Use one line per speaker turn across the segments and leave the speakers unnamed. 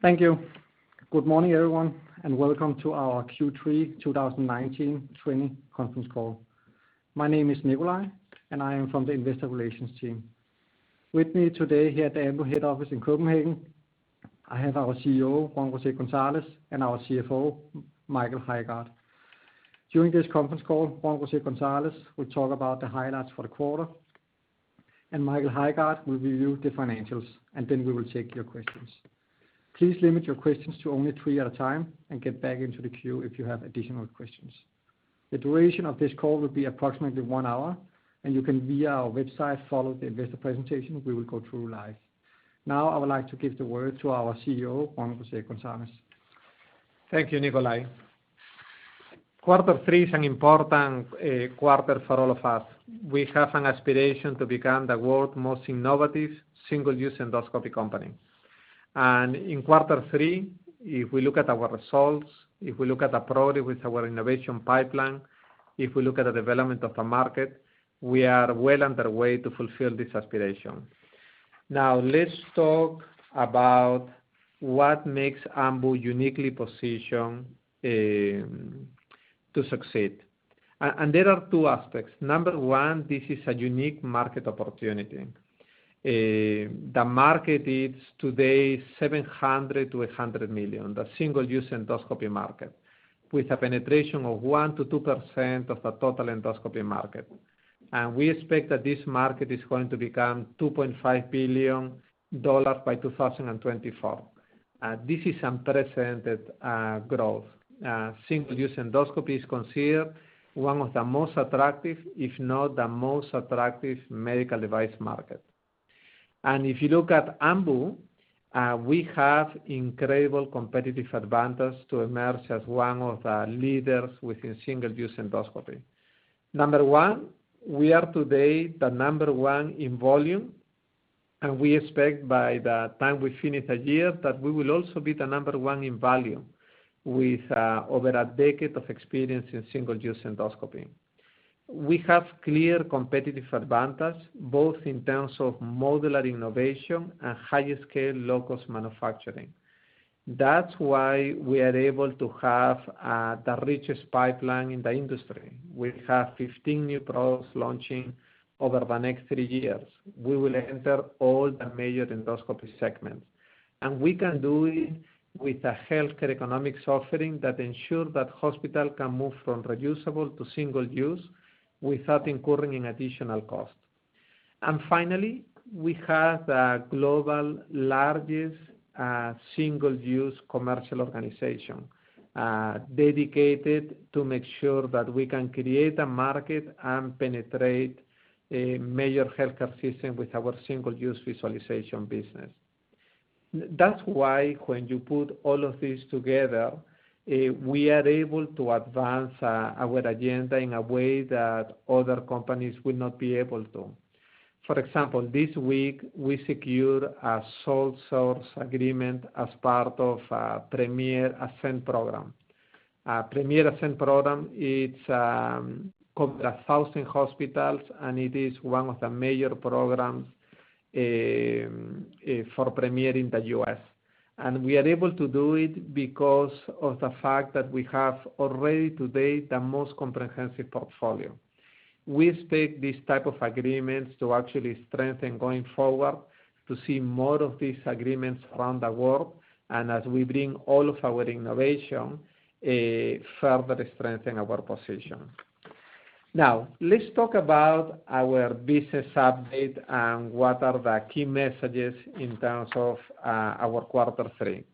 Thank you. Good morning, everyone, and welcome to our Q3 2019/2020 conference call. My name is Nicolai Thomsen, and I am from the investor relations team. With me today here at the Ambu head office in Copenhagen, I have our CEO, Juan-José Gonzalez, and our CFO, Michael Højgaard. During this conference call, Juan-José Gonzalez will talk about the highlights for the quarter, and Michael Højgaard will review the financials, and then we will take your questions. Please limit your questions to only three at a time and get back into the queue if you have additional questions. The duration of this call will be approximately one hour, and you can, via our website, follow the investor presentation we will go through live. Now I would like to give the word to our CEO, Juan-José Gonzalez.
Thank you, Nicolai Thomsen. Quarter three is an important quarter for all of us. We have an aspiration to become the world's most innovative single-use endoscopy company. In Quarter three, if we look at our results, if we look at the product with our innovation pipeline, if we look at the development of the market, we are well underway to fulfill this aspiration. Now, let's talk about what makes Ambu uniquely positioned to succeed. There are two aspects. Number one, this is a unique market opportunity. The market is today 700 million-800 million, the single-use endoscopy market, with a penetration of 1%-2% of the total endoscopy market. We expect that this market is going to become DKK 2.5 billion by 2024. This is unprecedented growth. Single-use endoscopy is considered one of the most attractive, if not the most attractive medical device market. If you look at Ambu, we have incredible competitive advantage to emerge as one of the leaders within single-use endoscopy. Number one, we are today the number one in volume, and we expect by the time we finish the year that we will also be the number one in value, with over a decade of experience in single-use endoscopy. We have clear competitive advantage, both in terms of modular innovation and higher scale low-cost manufacturing. That's why we are able to have the richest pipeline in the industry. We have 15 new products launching over the next three years. We will enter all the major endoscopy segments. We can do it with a healthcare economic offering that ensure that hospital can move from reusable to single-use without incurring any additional cost. Finally, we have the global largest single-use commercial organization, dedicated to make sure that we can create a market and penetrate major healthcare system with our single-use visualization business. That's why when you put all of this together, we are able to advance our agenda in a way that other companies will not be able to. For example, this week, we secured a sole source agreement as part of our Premier ASCEND program. Premier ASCEND program, it covers 1,000 hospitals, and it is one of the major programs for Premier in the U.S. We are able to do it because of the fact that we have already today the most comprehensive portfolio. We expect this type of agreements to actually strengthen going forward, to see more of these agreements around the world, and as we bring all of our innovation, further strengthen our position. Let's talk about our business update and what are the key messages in terms of our quarter three.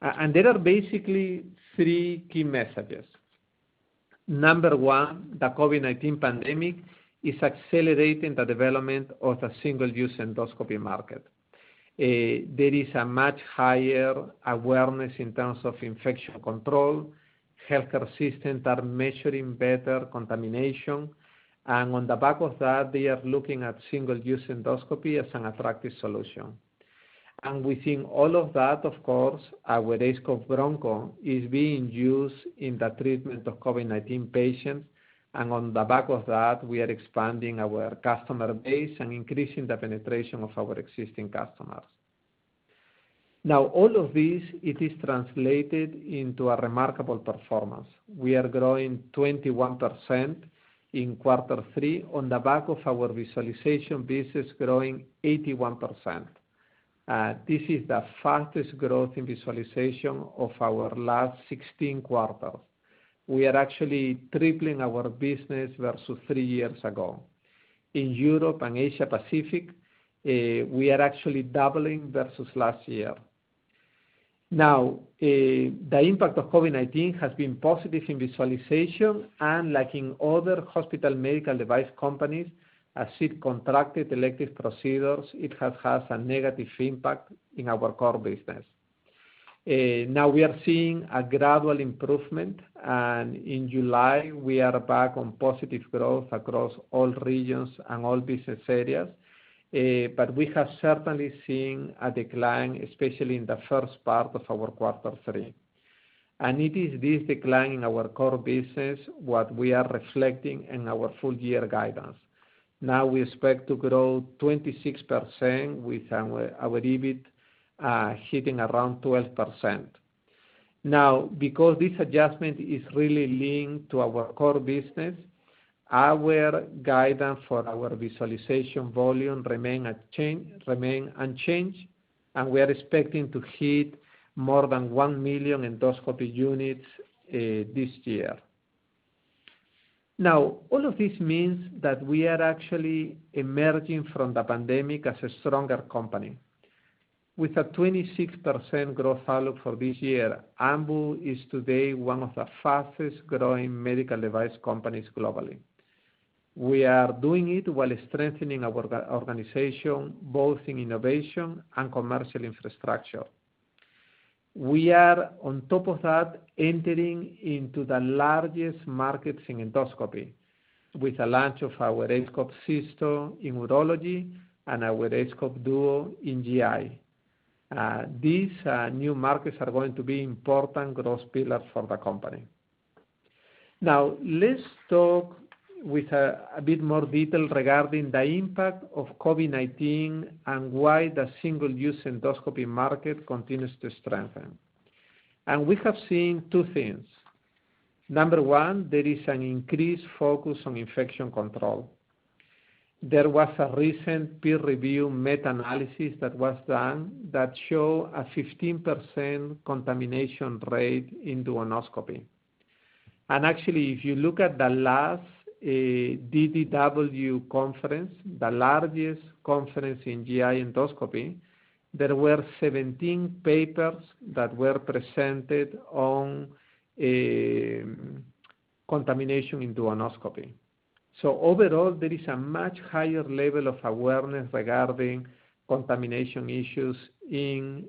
There are basically three key messages. Number one, the COVID-19 pandemic is accelerating the development of the single-use endoscopy market. There is a much higher awareness in terms of infection control. Healthcare systems are measuring better contamination. On the back of that, they are looking at single-use endoscopy as an attractive solution. Within all of that, of course, our aScope Broncho is being used in the treatment of COVID-19 patients. On the back of that, we are expanding our customer base and increasing the penetration of our existing customers. All of this, it is translated into a remarkable performance. We are growing 21% in quarter three on the back of our visualization business growing 81%. This is the fastest growth in visualization of our last 16 quarters. We are actually tripling our business versus three years ago. In Europe and Asia Pacific, we are actually doubling versus last year. Now, the impact of COVID-19 has been positive in visualization and like in other hospital medical device companies, as it contracted elective procedures, it has had a negative impact in our core business. Now we are seeing a gradual improvement, and in July we are back on positive growth across all regions and all business areas. We have certainly seen a decline, especially in the first part of our quarter three. It is this decline in our core business what we are reflecting in our full-year guidance. Now we expect to grow 26% with our EBIT hitting around 12%. Because this adjustment is really linked to our core business, our guidance for our visualization volume remain unchanged, and we are expecting to hit more than one million endoscopy units this year. All of this means that we are actually emerging from the pandemic as a stronger company. With a 26% growth outlook for this year, Ambu is today one of the fastest-growing medical device companies globally. We are doing it while strengthening our organization, both in innovation and commercial infrastructure. We are, on top of that, entering into the largest markets in endoscopy with the launch of our aScope system in urology and our aScope Duodeno in GI. These new markets are going to be important growth pillars for the company. Let's talk with a bit more detail regarding the impact of COVID-19 and why the single-use endoscopy market continues to strengthen. We have seen two things. Number one, there is an increased focus on infection control. There was a recent peer-reviewed meta-analysis that was done that show a 15% contamination rate in duodenoscopy. Actually, if you look at the last DDW conference, the largest conference in GI endoscopy, there were 17 papers that were presented on contamination in duodenoscopy. Overall, there is a much higher level of awareness regarding contamination issues in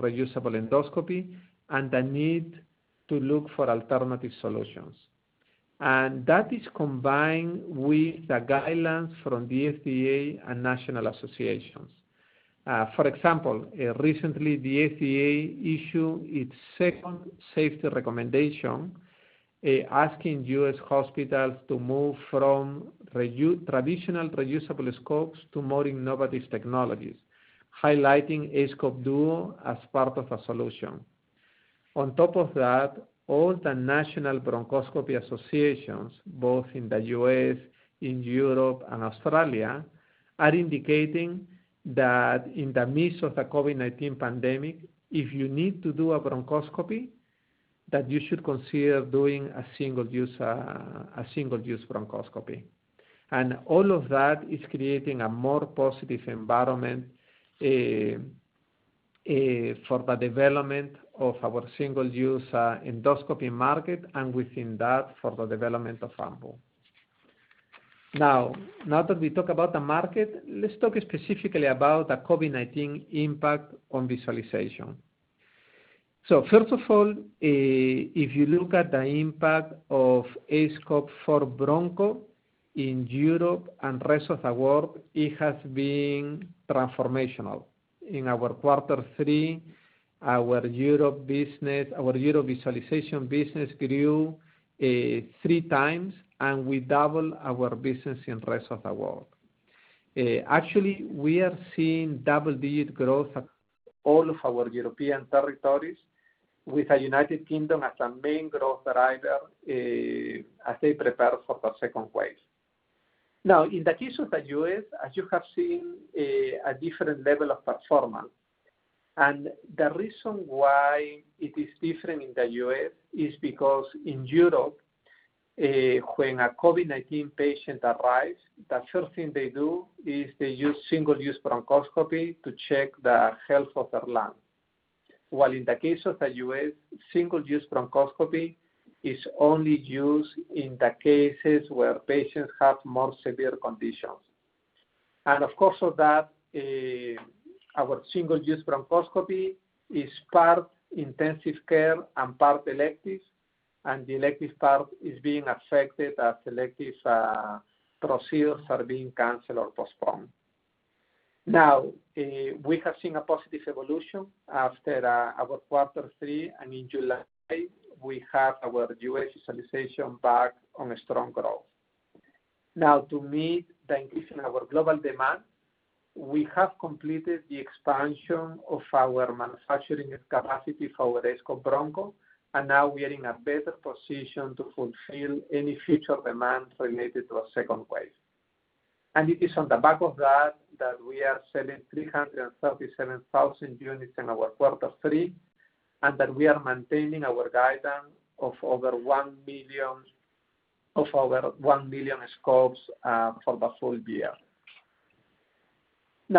reusable endoscopy and the need to look for alternative solutions. That is combined with the guidelines from the FDA and national associations. For example, recently, the FDA issued its second safety recommendation, asking U.S. hospitals to move from traditional reusable scopes to more innovative technologies, highlighting aScope Duodeno as part of a solution. On top of that, all the national bronchoscopy associations, both in the U.S., in Europe, and Australia, are indicating that in the midst of the COVID-19 pandemic, if you need to do a bronchoscopy, that you should consider doing a single-use bronchoscopy. All of that is creating a more positive environment for the development of our single-use endoscopy market, and within that, for the development of Ambu. Now that we talk about the market, let's talk specifically about the COVID-19 impact on visualization. First of all, if you look at the impact of aScope 4 Broncho in Europe and rest of the world, it has been transformational. In our quarter three, our Europe visualization business grew three times, and we double our business in rest of the world. Actually, we are seeing double-digit growth at all of our European territories, with the United Kingdom as a main growth driver as they prepare for the second wave. In the case of the U.S., as you have seen, a different level of performance. The reason why it is different in the U.S. is because in Europe, when a COVID-19 patient arrives, the first thing they do is they use single-use bronchoscopy to check the health of their lung. While in the case of the U.S., single-use bronchoscopy is only used in the cases where patients have more severe conditions. Of course, of that, our single-use bronchoscopy is part intensive care and part elective, and the elective part is being affected as elective procedures are being canceled or postponed. We have seen a positive evolution after our quarter three, and in July, we have our U.S. visualization back on a strong growth. To meet the increase in our global demand, we have completed the expansion of our manufacturing capacity for our aScope Broncho, and now we are in a better position to fulfill any future demand related to a second wave. It is on the back of that we are selling 337,000 units in our quarter three, and that we are maintaining our guidance of over one million scopes for the full year.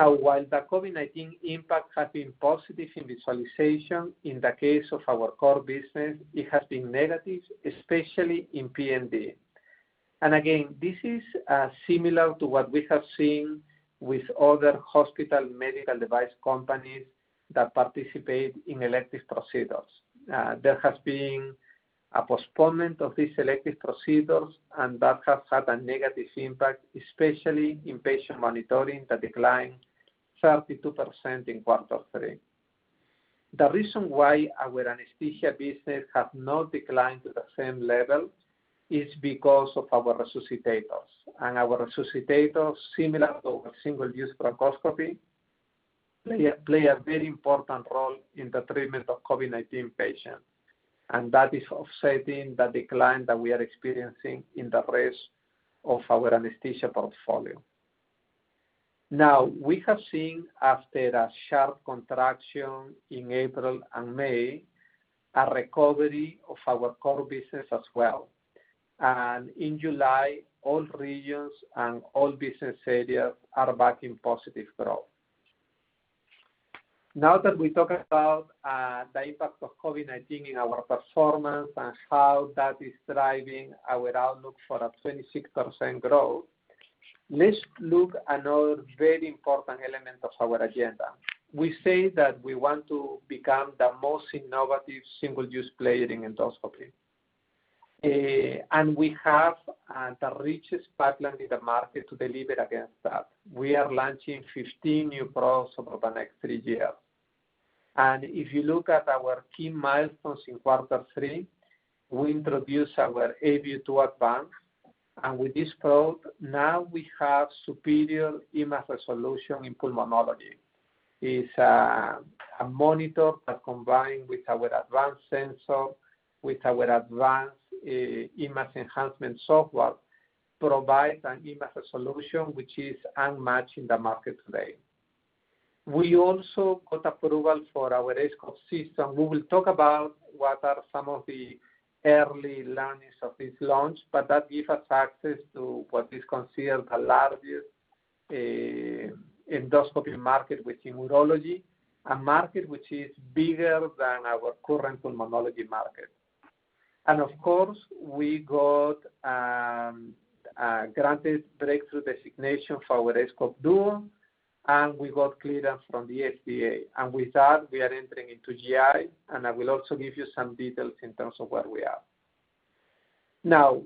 While the COVID-19 impact has been positive in visualization, in the case of our core business, it has been negative, especially in PMD. Again, this is similar to what we have seen with other hospital medical device companies that participate in elective procedures. There has been a postponement of these elective procedures, that has had a negative impact, especially in Patient Monitoring, the decline 32% in quarter three. The reason why our anesthesia business have not declined to the same level is because of our resuscitators. Our resuscitators, similar to our single-use bronchoscopy, play a very important role in the treatment of COVID-19 patients, and that is offsetting the decline that we are experiencing in the rest of our anesthesia portfolio. Now, we have seen after the sharp contraction in April and May, a recovery of our core business as well. In July, all regions and all business areas are back in positive growth. Now that we talk about the impact of COVID-19 in our performance and how that is driving our outlook for a 26% growth, let's look another very important element of our agenda. We say that we want to become the most innovative single-use player in endoscopy. We have the richest pipeline in the market to deliver against that. We are launching 15 new products over the next three years. If you look at our key milestones in quarter three, we introduced our aView 2 Advance, and with this product, now we have superior image resolution in pulmonology. It's a monitor that combined with our advanced sensor, with our advanced image enhancement software, provides an image resolution which is unmatched in the market today. We also got approval for our aScope system. We will talk about what are some of the early learnings of this launch, but that give us access to what is considered a larger endoscopy market within urology, a market which is bigger than our current pulmonology market. Of course, we got granted Breakthrough designation for our aScope Duodeno, and we got clearance from the FDA. With that, we are entering into GI, and I will also give you some details in terms of where we are. Now,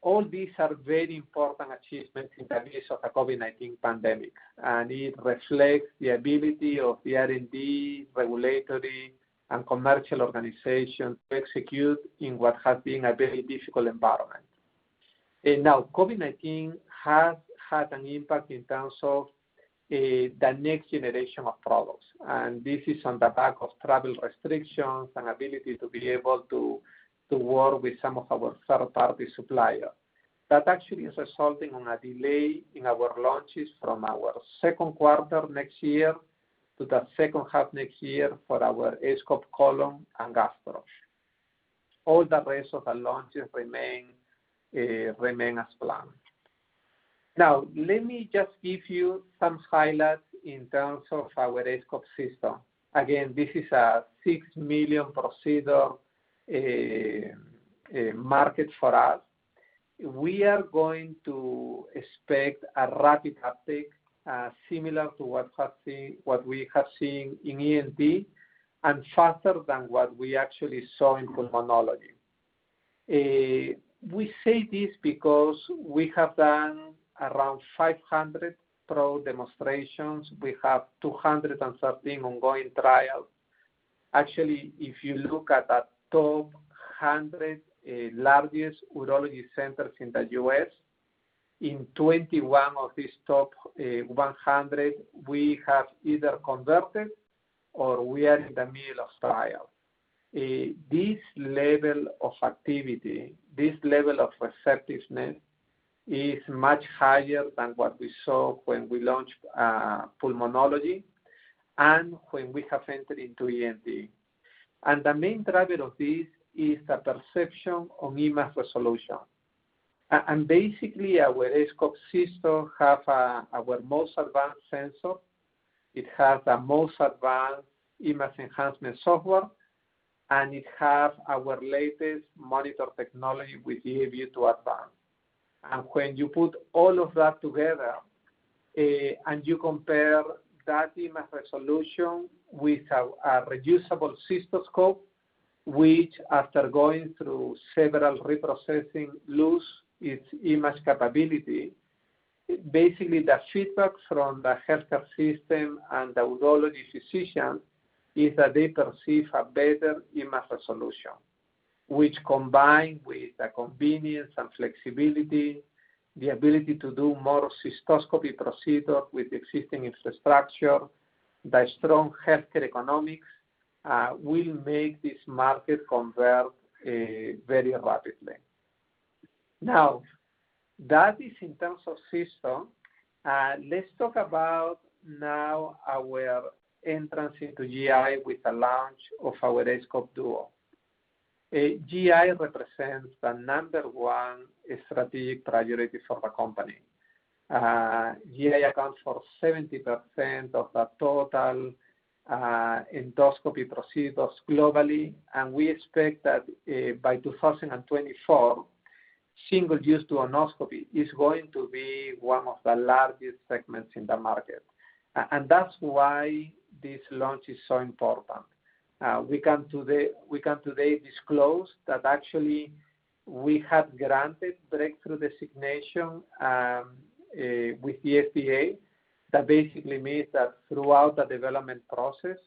all these are very important achievements in the midst of the COVID-19 pandemic, and it reflects the ability of the R&D, regulatory, and commercial organization to execute in what has been a very difficult environment. Now, COVID-19 has had an impact in terms of the next generation of products. This is on the back of travel restrictions and ability to be able to work with some of our third-party supplier. That actually is resulting in a delay in our launches from our second quarter next year to the second half next year for our aScope Colon and gastro. All the rest of the launches remain as planned. Let me just give you some highlights in terms of our aScope system. This is a six million procedure market for us. We are going to expect a rapid uptake, similar to what we have seen in ENT, and faster than what we actually saw in pulmonology. We say this because we have done around 500 PROVE demonstrations. We have 200 and something ongoing trials. Actually, if you look at the top 100 largest urology centers in the U.S., in 21 of these top 100, we have either converted or we are in the middle of trial. This level of activity, this level of receptiveness is much higher than what we saw when we launched pulmonology and when we have entered into ENT. The main driver of this is the perception of image resolution. Basically, our aScope system have our most advanced sensor. It has the most advanced image enhancement software, and it has our latest monitor technology with the aView 2 Advance. When you put all of that together, and you compare that image resolution with a reusable cystoscope, which after going through several reprocessing, lose its image capability. Basically, the feedback from the healthcare system and the urology physician is that they perceive a better image resolution, which combined with the convenience and flexibility, the ability to do more cystoscopy procedure with existing infrastructure, the strong healthcare economics will make this market convert very rapidly. Now, that is in terms of system. Let's talk about now our entrance into GI with the launch of our aScope Duodeno. GI represents the number one strategic priority for the company. GI accounts for 70% of the total endoscopy procedures globally, and we expect that by 2024, single-use cystoscopy is going to be one of the largest segments in the market. That's why this launch is so important. We can today disclose that actually, we have granted Breakthrough designation with the FDA. That basically means that throughout the development process,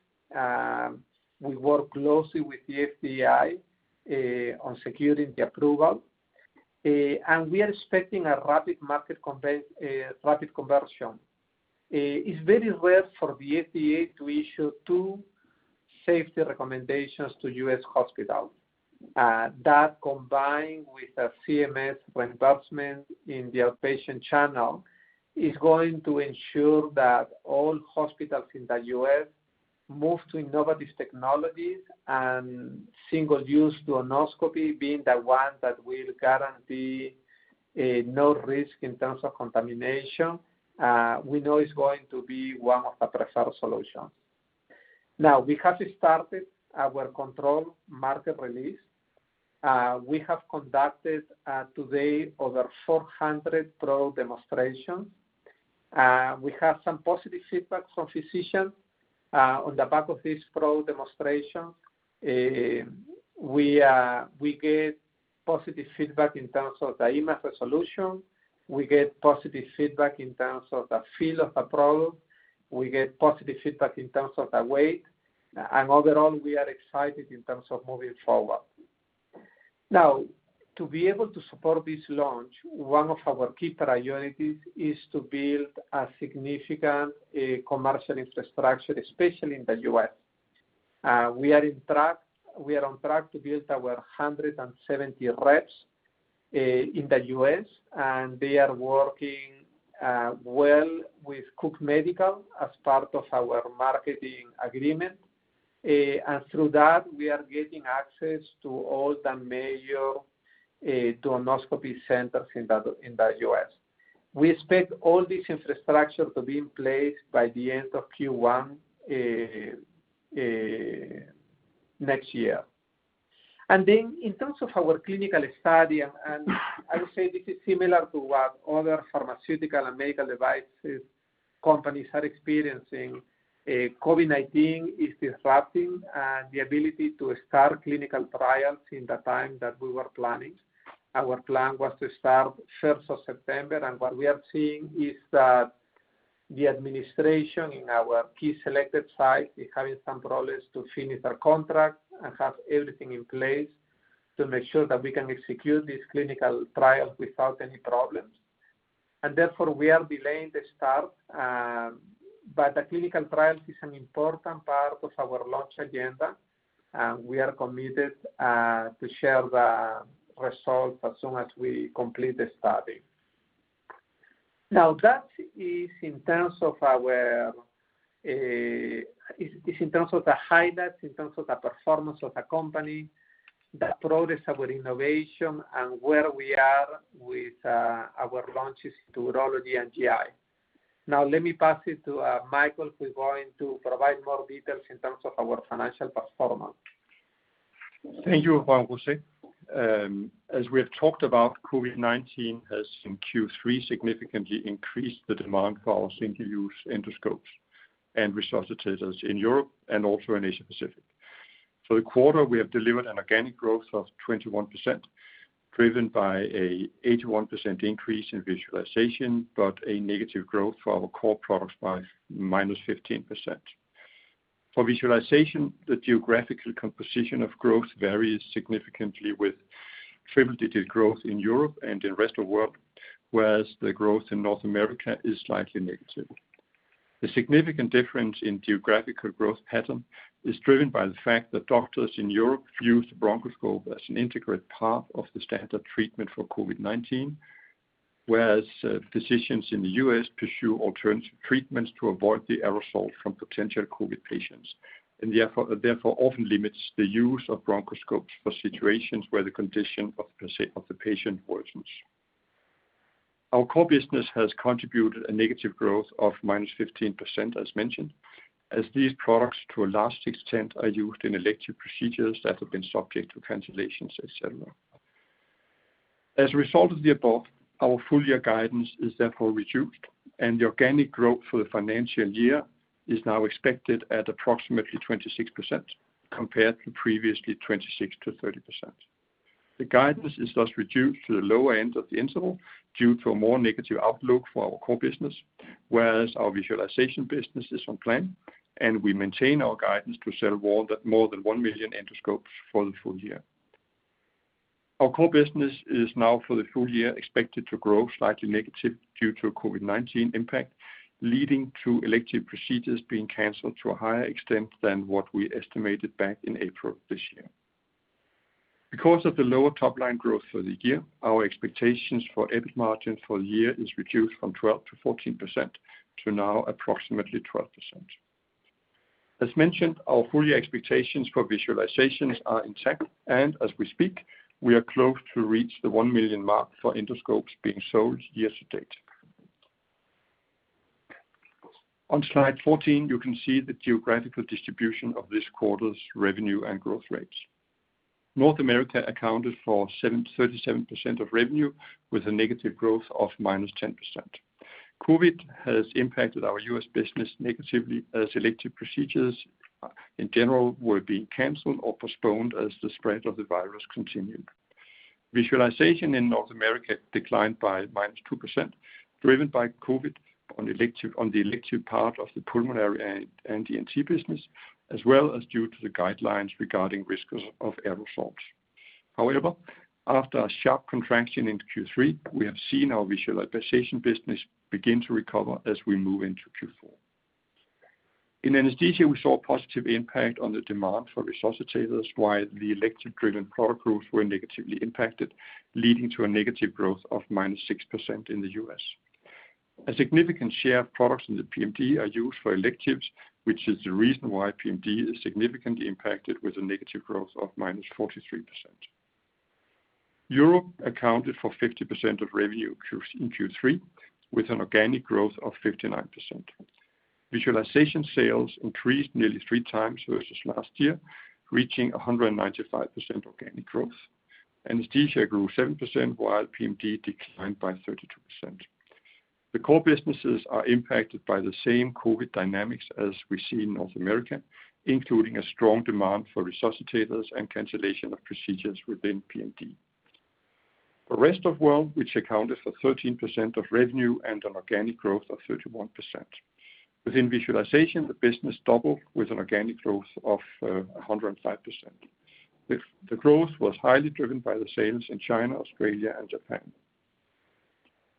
we work closely with the FDA on securing the approval. We are expecting a rapid commercialization. It's very rare for the FDA to issue two safety recommendations to U.S. hospitals. That, combined with a CMS reimbursement in the outpatient channel, is going to ensure that all hospitals in the U.S. move to innovative technologies, and single-use duodenoscope being the one that will guarantee no risk in terms of contamination. We know it's going to be one of the preferred solutions. Now, we have started our controlled market release. We have conducted to date over 400 PROVE demonstrations. We have some positive feedback from physicians on the back of this PROVE demonstration. We get positive feedback in terms of the image resolution. We get positive feedback in terms of the feel of the probe. We get positive feedback in terms of the weight. Overall, we are excited in terms of moving forward. Now, to be able to support this launch, one of our key priorities is to build a significant commercial infrastructure, especially in the U.S. We are on track to build our 170 reps in the U.S., and they are working well with Cook Medical as part of our marketing agreement. Through that, we are getting access to all the major duodenoscopy centers in the U.S. We expect all this infrastructure to be in place by the end of Q1 next year. In terms of our clinical study, I would say this is similar to what other pharmaceutical and medical devices companies are experiencing, COVID-19 is disrupting the ability to start clinical trials in the time that we were planning. Our plan was to start September 1st. What we are seeing is that the administration in our key selected sites is having some problems to finish their contract and have everything in place to make sure that we can execute these clinical trials without any problems. Therefore, we are delaying the start. The clinical trials is an important part of our launch agenda, and we are committed to share the results as soon as we complete the study. That is in terms of the highlights, in terms of the performance of the company, the progress of our innovation, and where we are with our launches in Urology and GI. Let me pass it to Michael Højgaard, who's going to provide more details in terms of our financial performance.
Thank you, Juan-José Gonzalez. As we have talked about, COVID-19 has in Q3 significantly increased the demand for our single-use endoscopes and resuscitators in Europe and also in Asia Pacific. For the quarter, we have delivered an organic growth of 21%, driven by a 81% increase in visualization, a negative growth for our core products by -15%. For visualization, the geographical composition of growth varies significantly with triple-digit growth in Europe and in rest of world, whereas the growth in North America is slightly negative. The significant difference in geographical growth pattern is driven by the fact that doctors in Europe use bronchoscope as an integral part of the standard treatment for COVID-19, whereas physicians in the U.S. pursue alternative treatments to avoid the aerosol from potential COVID-19 patients, therefore, often limits the use of bronchoscope for situations where the condition of the patient worsens. Our core business has contributed a negative growth of -15%, as mentioned, as these products, to a large extent, are used in elective procedures that have been subject to cancellations, et cetera. As a result of the above, our full-year guidance is therefore reduced, and the organic growth for the financial year is now expected at approximately 26%, compared to previously 26%-30%. The guidance is thus reduced to the lower end of the interval due to a more negative outlook for our core business, whereas our visualization business is on plan, and we maintain our guidance to sell more than one million endoscopes for the full year. Our core business is now for the full year expected to grow slightly negative due to COVID-19 impact, leading to elective procedures being canceled to a higher extent than what we estimated back in April of this year. Because of the lower top-line growth for the year, our expectations for EBIT margin for the year is reduced from 12%-14% to now approximately 12%. As mentioned, our full-year expectations for visualizations are intact, and as we speak, we are close to reach the one million mark for endoscopes being sold year to date. On slide 14, you can see the geographical distribution of this quarter's revenue and growth rates. North America accounted for 37% of revenue with a negative growth of -10%. COVID-19 has impacted our U.S. business negatively as elective procedures in general were being canceled or postponed as the spread of the virus continued. Visualization in North America declined by -2%, driven by COVID-19 on the elective part of the pulmonary and ENT business, as well as due to the guidelines regarding risks of aerosols. However, after a sharp contraction in Q3, we have seen our visualization business begin to recover as we move into Q4. In anesthesia, we saw a positive impact on the demand for resuscitators, while the elective-driven product groups were negatively impacted, leading to a negative growth of -6% in the U.S. A significant share of products in the PMD are used for electives, which is the reason why PMD is significantly impacted with a negative growth of -43%. Europe accounted for 50% of revenue in Q3, with an organic growth of 59%. Visualization sales increased nearly three times versus last year, reaching 195% organic growth. Anesthesia grew 7%, while PMD declined by 32%. The core businesses are impacted by the same COVID-19 dynamics as we see in North America, including a strong demand for resuscitators and cancellation of procedures within PMD. The rest of world, which accounted for 13% of revenue and an organic growth of 31%. Within visualization, the business doubled with an organic growth of 105%. The growth was highly driven by the sales in China, Australia, and Japan.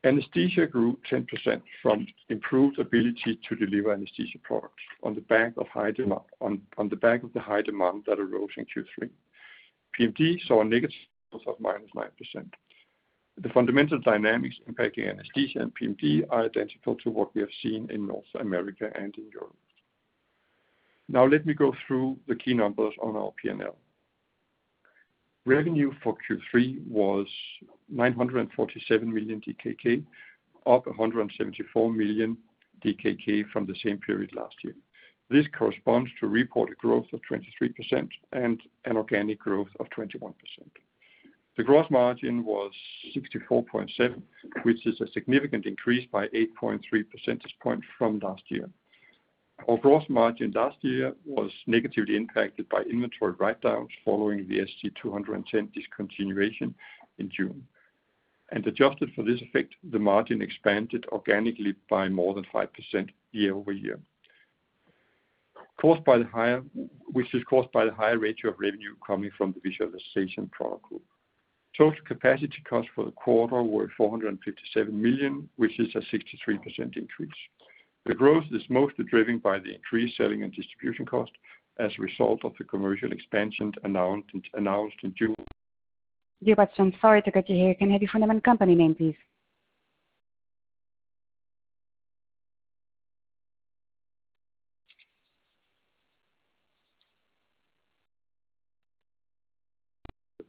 Anesthesia grew 10% from improved ability to deliver anesthesia products on the back of the high demand that arose in Q3. PMD saw a negative of -9%. The fundamental dynamics impacting anesthesia and PMD are identical to what we have seen in North America and in Europe. Now let me go through the key numbers on our P&L. Revenue for Q3 was 947 million DKK, up 174 million DKK from the same period last year. This corresponds to reported growth of 23% and an organic growth of 21%. The gross margin was 64.7%, which is a significant increase by 8.3 percentage point from last year. Our gross margin last year was negatively impacted by inventory write-downs following the aScope 2 discontinuation in June. Adjusted for this effect, the margin expanded organically by more than 5% year-over-year. Which is caused by the higher ratio of revenue coming from the visualization product group. Total capacity costs for the quarter were 457 million, which is a 63% increase. The growth is mostly driven by the increased selling and distribution cost as a result of the commercial expansion announced in June. The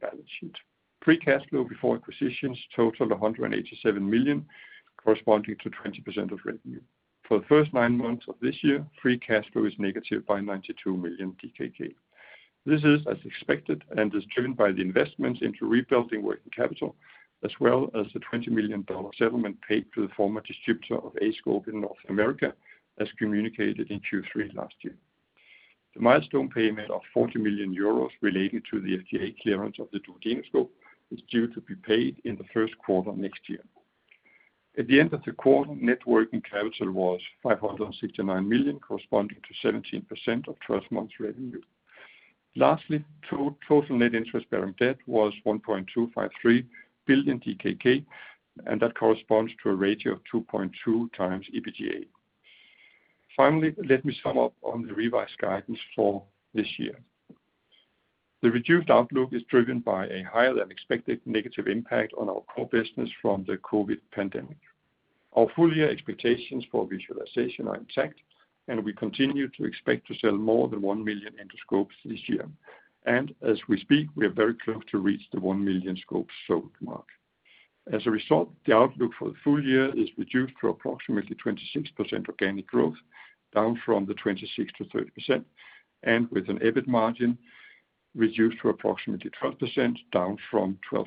balance sheet. Free cash flow before acquisitions totaled 187 million, corresponding to 20% of revenue. For the first nine months of this year, free cash flow is negative by 92 million DKK. This is as expected and is driven by the investments into rebuilding working capital, as well as the $20 million settlement paid to the former distributor of aScope in North America as communicated in Q3 last year. The milestone payment of 40 million euros related to the FDA clearance of the aScope Duodeno is due to be paid in the first quarter next year. At the end of the quarter, net working capital was 569 million, corresponding to 17% of 12 months revenue. Lastly, total net interest-bearing debt was 1.253 billion DKK, and that corresponds to a ratio of 2.2 times EBITDA. Finally, let me sum up on the revised guidance for this year. The reduced outlook is driven by a higher-than-expected negative impact on our core business from the COVID pandemic. Our full-year expectations for visualization are intact. We continue to expect to sell more than one million endoscopes this year. As we speak, we are very close to reach the one million scopes sold mark. As a result, the outlook for the full year is reduced to approximately 26% organic growth, down from the 26%-30%, and with an EBIT margin reduced to approximately 12%, down from 12%-14%.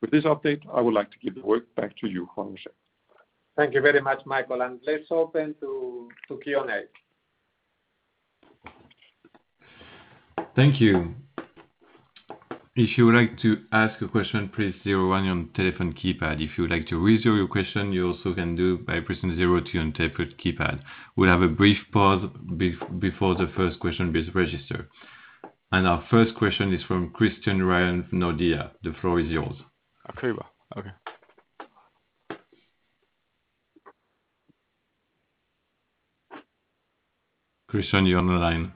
With this update, I would like to give the work back to you, Juan-José Gonzalez.
Thank you very much, Michael Højgaard, and let's open to Q&A.
Thank you. If you would like to ask a question, press zero one on your telephone keypad. If you would like to withdraw your question, you also can do by pressing zero two on telephone keypad. We'll have a brief pause before the first question is registered. Our first question is from Christian Ryom, Nordea. The floor is yours. Christian Ryom, you're on the line.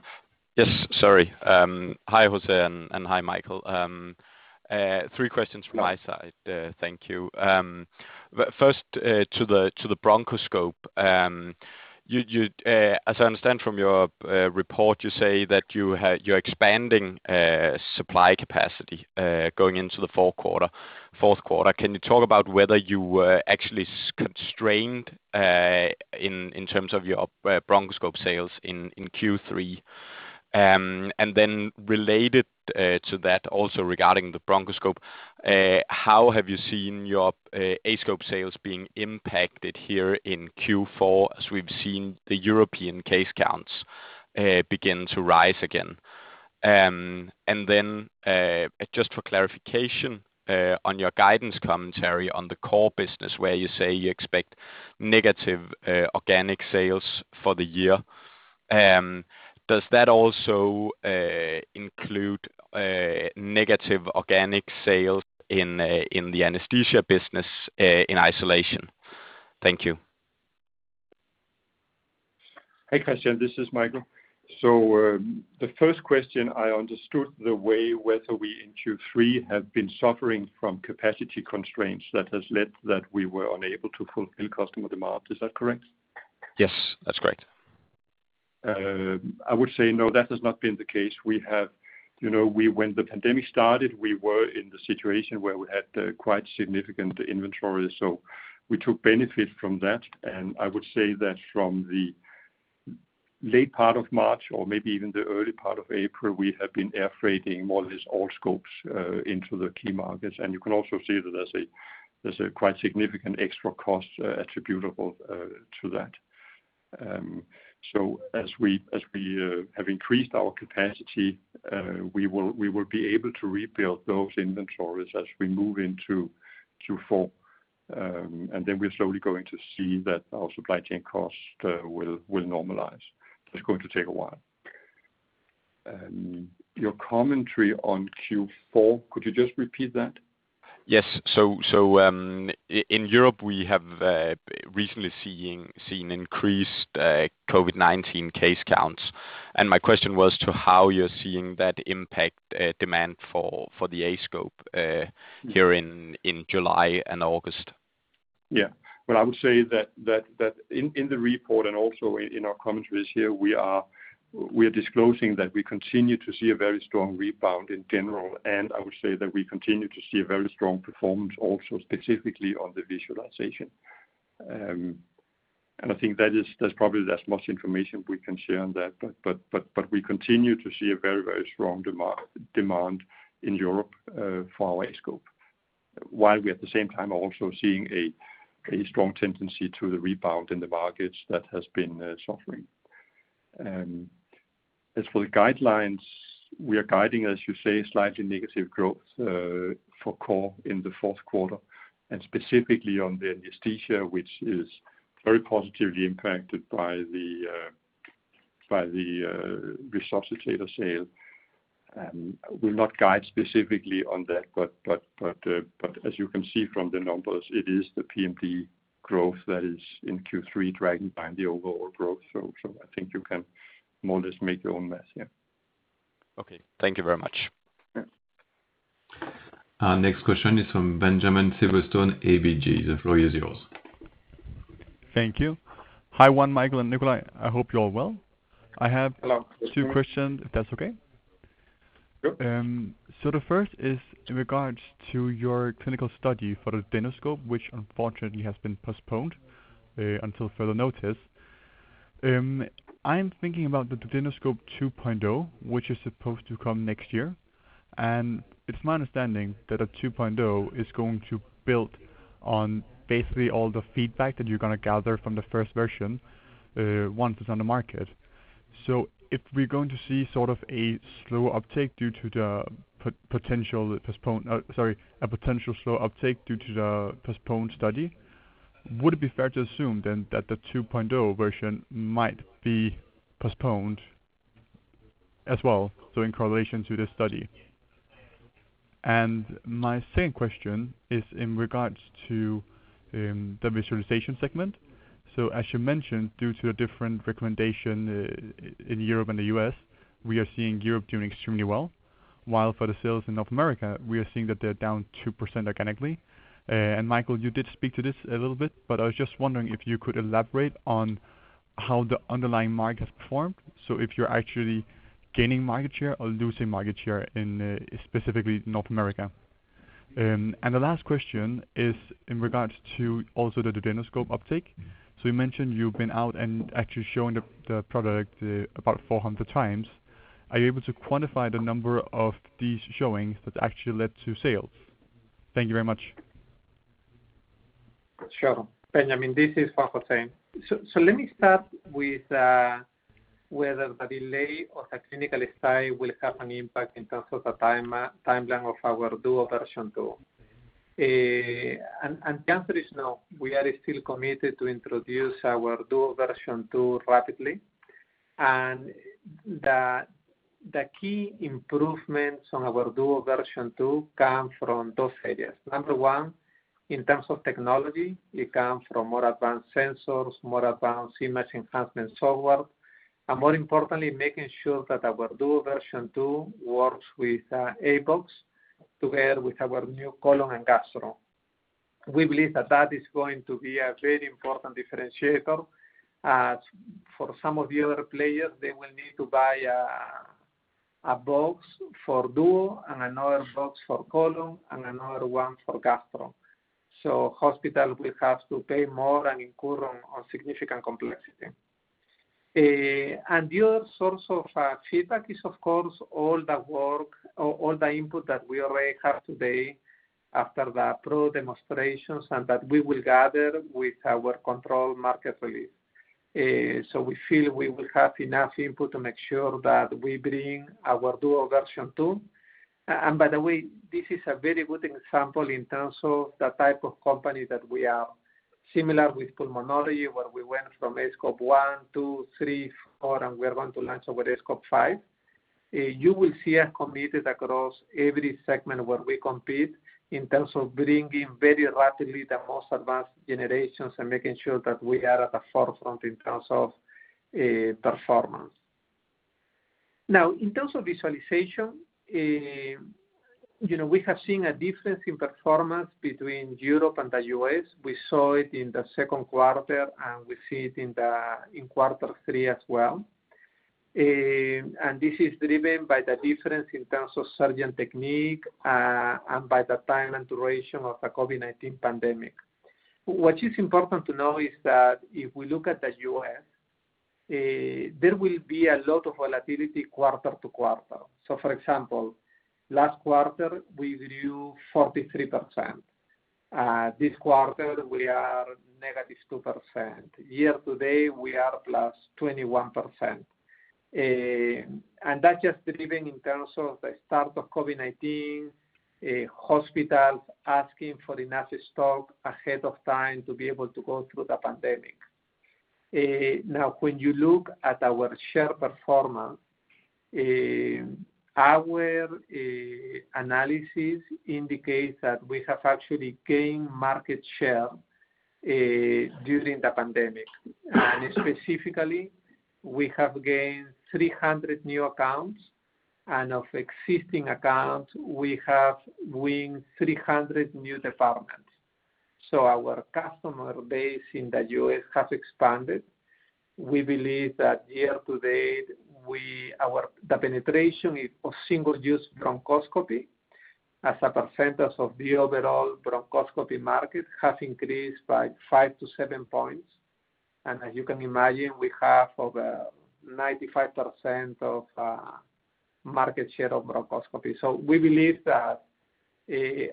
Yes, sorry. Hi, Juan-José Gonzalez, and hi, Michael Højgaard. Three questions from my side. Thank you. First, to the bronchoscope. As I understand from your report, you say that you're expanding supply capacity going into the fourth quarter. Can you talk about whether you were actually constrained in terms of your bronchoscope sales in Q3? Related to that also regarding the bronchoscope, how have you seen your aScope sales being impacted here in Q4 as we've seen the European case counts begin to rise again? Just for clarification on your guidance commentary on the core business where you say you expect negative organic sales for the year, does that also include negative organic sales in the anesthesia business in isolation? Thank you.
Hey, Christian Ryom, this is Michael Højgaard. The first question I understood the way whether we in Q3 have been suffering from capacity constraints that has led that we were unable to fulfill customer demand. Is that correct?
Yes, that's correct.
I would say no, that has not been the case. When the pandemic started, we were in the situation where we had quite significant inventory, so we took benefit from that, and I would say that from the late part of March or maybe even the early part of April, we have been air freighting more or less all aScopes into the key markets. You can also see that there's a quite significant extra cost attributable to that. As we have increased our capacity, we will be able to rebuild those inventories as we move into Q4. We're slowly going to see that our supply chain cost will normalize. It's going to take a while. Your commentary on Q4, could you just repeat that?
Yes. In Europe, we have recently seen increased COVID-19 case counts, and my question was to how you're seeing that impact demand for the aScope here in July and August.
Well, I would say that in the report and also in our commentaries here, we are disclosing that we continue to see a very strong rebound in general. I would say that we continue to see a very strong performance also specifically on the visualization. I think that's probably there's much information we can share on that, but we continue to see a very strong demand in Europe for our aScope, while we at the same time are also seeing a strong tendency to the rebound in the markets that has been suffering. As for the guidelines, we are guiding, as you say, slightly negative growth for core in the fourth quarter, and specifically on the anesthesia, which is very positively impacted by the resuscitator sale. We'll not guide specifically on that. As you can see from the numbers, it is the PMD growth that is in Q3 dragging behind the overall growth. I think you can more or less make your own math here.
Okay. Thank you very much.
Yeah.
Our next question is from Benjamin Silverstone, ABG. The floor is yours.
Thank you. Hi, Juan-José Gonzalez, Michael Højgaard, and Nicolai Thomsen. I hope you're well.
Hello.
I have two questions, if that's okay.
Yep.
The first is in regards to your clinical study for the duodenoscope, which unfortunately has been postponed until further notice. I'm thinking about the duodenoscope 2.0, which is supposed to come next year, and it's my understanding that a duodenoscope 2.0 is going to build on basically all the feedback that you're going to gather from the first version once it's on the market. If we're going to see sort of a potential slow uptake due to the postponed study, would it be fair to assume then that the duodenoscope 2.0 version might be postponed as well, so in correlation to this study? My second question is in regards to the visualization segment. As you mentioned, due to a different recommendation in Europe and the U.S., we are seeing Europe doing extremely well, while for the sales in North America, we are seeing that they're down 2% organically. Michael Højgaard, you did speak to this a little bit, but I was just wondering if you could elaborate on how the underlying market has performed, if you're actually gaining market share or losing market share in specifically North America. The last question is in regards to also the duodenoscope uptake. You mentioned you've been out and actually showing the product about 400 times. Are you able to quantify the number of these showings that actually led to sales? Thank you very much.
Sure. Benjamin Silverstone, this is Juan-José Gonzalez. Let me start with whether the delay of the clinical study will have an impact in terms of the timeline of our Duo version 2. The answer is no. We are still committed to introduce our Duo version 2 rapidly. The key improvements on our Duo version 2 come from those areas. Number one, in terms of technology, it comes from more advanced sensors, more advanced image enhancement software, and more importantly, making sure that our Duo version 2 works with aBox together with our new colon and gastro. We believe that that is going to be a very important differentiator. For some of the other players, they will need to buy aBox for Duo and another box for colon and another one for gastro. Hospital will have to pay more and incur on significant complexity. The other source of feedback is, of course, all the input that we already have today after the PROVE demonstrations and that we will gather with our controlled market release. We feel we will have enough input to make sure that we bring our Duo version 2. By the way, this is a very good example in terms of the type of company that we are similar with pulmonology, where we went from a aScope 1, 2, 3, 4, and we are going to launch our aScope 5. You will see us committed across every segment where we compete in terms of bringing very rapidly the most advanced generations and making sure that we are at the forefront in terms of performance. Now, in terms of visualization, we have seen a difference in performance between Europe and the U.S. We saw it in the second quarter, we see it in quarter three as well. This is driven by the difference in terms of surgeon technique, and by the time and duration of the COVID-19 pandemic. What is important to know is that if we look at the U.S., there will be a lot of volatility quarter-to-quarter. For example, last quarter we grew 43%. This quarter, we are -2%. Year to date, we are +21%. That's just driven in terms of the start of COVID-19, hospitals asking for enough stock ahead of time to be able to go through the pandemic. Now, when you look at our share performance, our analysis indicates that we have actually gained market share during the pandemic. Specifically, we have gained 300 new accounts, and of existing accounts, we have gained 300 new departments. Our customer base in the U.S. has expanded. We believe that year to date, the penetration of single-use bronchoscopy as a percentage of the overall bronchoscopy market has increased by five to seven points. As you can imagine, we have over 95% of market share of bronchoscopy. We believe that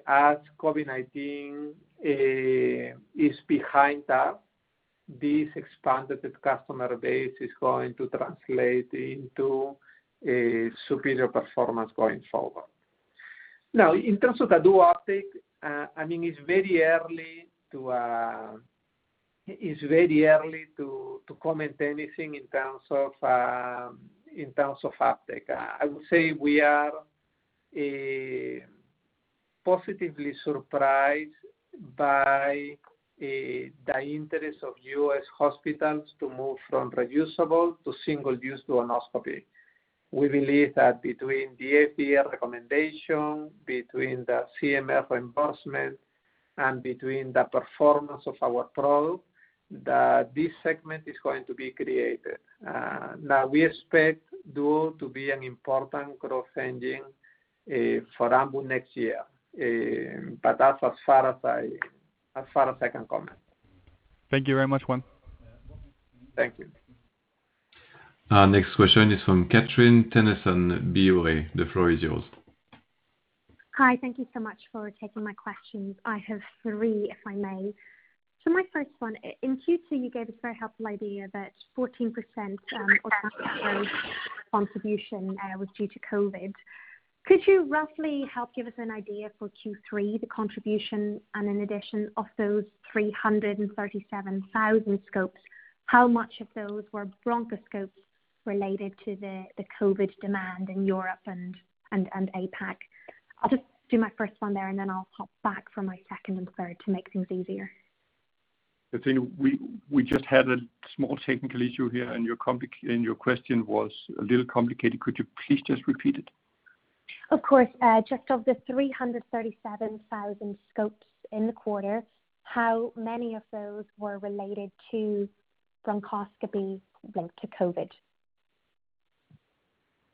as COVID-19 is behind us, this expanded customer base is going to translate into superior performance going forward. In terms of the duo uptake, it's very early to comment anything in terms of uptake. I would say we are positively surprised by the interest of U.S. hospitals to move from reusable to single-use duodenoscopy. We believe that between the FDA recommendation, between the CMS reimbursement, and between the performance of our product, that this segment is going to be created. We expect duo to be an important growth engine for Ambu next year. That's as far as I can comment.
Thank you very much, Juan-José Gonzalez.
Thank you.
Our next question is from Catherine Tennyson, Berenberg. The floor is yours.
Hi. Thank you so much for taking my questions. I have three, if I may. My first one, in Q2, you gave us a very helpful idea that 14% organic growth contribution was due to COVID-19. Could you roughly help give us an idea for Q3, the contribution, and in addition, of those 337,000 scopes, how much of those were bronchoscope related to the COVID-19 demand in Europe and APAC? I'll just do my first one there, and then I'll pop back for my second and third to make things easier.
Catherine Tennyson, we just had a small technical issue here. Your question was a little complicated. Could you please just repeat it?
Of course. Just of the 337,000 scopes in the quarter, how many of those were related to bronchoscopy linked to COVID-19?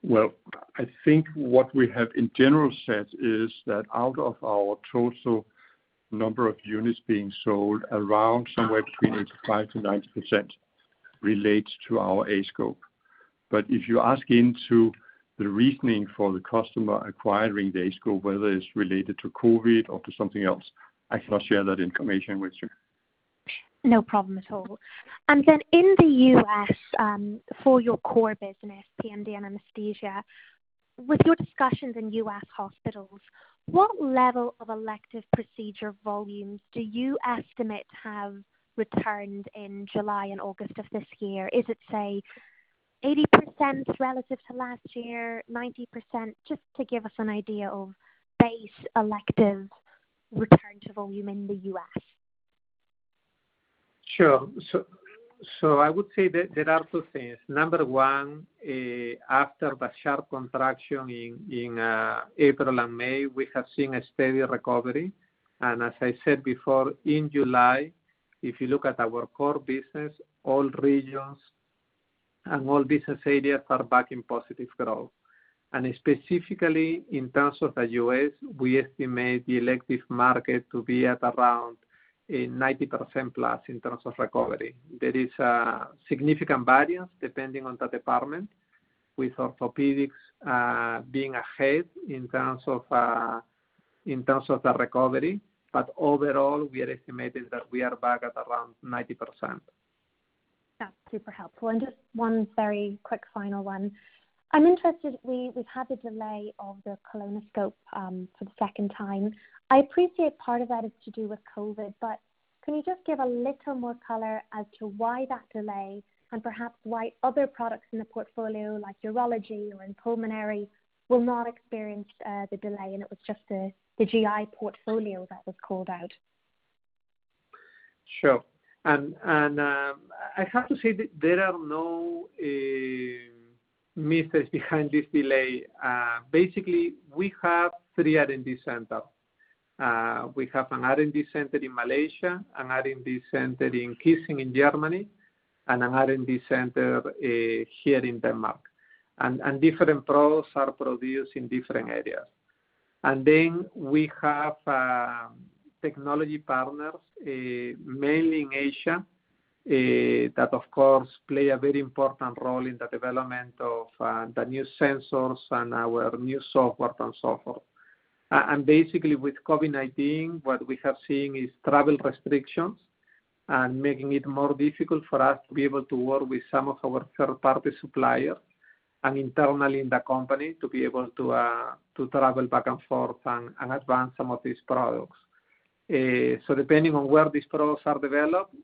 Well, I think what we have in general said is that out of our total number of units being sold, around somewhere between 85%-90% relates to our aScope. If you ask into the reasoning for the customer acquiring the aScope, whether it's related to COVID-19 or to something else, I cannot share that information with you.
No problem at all. In the U.S., for your core business, PMD and anesthesia, with your discussions in U.S. hospitals, what level of elective procedure volumes do you estimate have returned in July and August of this year? Is it, say, 80% relative to last year, 90%? Just to give us an idea of base elective return to volume in the U.S.
I would say that there are two things. Number one, after the sharp contraction in April and May, we have seen a steady recovery. As I said before, in July. If you look at our core business, all regions and all business areas are back in positive growth. Specifically, in terms of the U.S., we estimate the elective market to be at around 90%+ in terms of recovery. There is a significant variance depending on the department, with orthopedics being ahead in terms of the recovery. Overall, we are estimating that we are back at around 90%.
That's super helpful. Just one very quick final one. I'm interested, we've had the delay of the colonoscope, for the second time. I appreciate part of that is to do with COVID-19, can you just give a little more color as to why that delay and perhaps why other products in the portfolio, like urology or in pulmonary, will not experience the delay, and it was just the GI portfolio that was called out?
Sure. I have to say that there are no mysteries behind this delay. Basically, we have three R&D centers. We have an R&D center in Malaysia, an R&D center in Kissing in Germany, and an R&D center here in Denmark. Different products are produced in different areas. We have technology partners, mainly in Asia, that, of course, play a very important role in the development of the new sensors and our new software and so forth. Basically with COVID-19, what we have seen is travel restrictions and making it more difficult for us to be able to work with some of our third-party suppliers and internally in the company to be able to travel back and forth and advance some of these products. Depending on where these products are developed,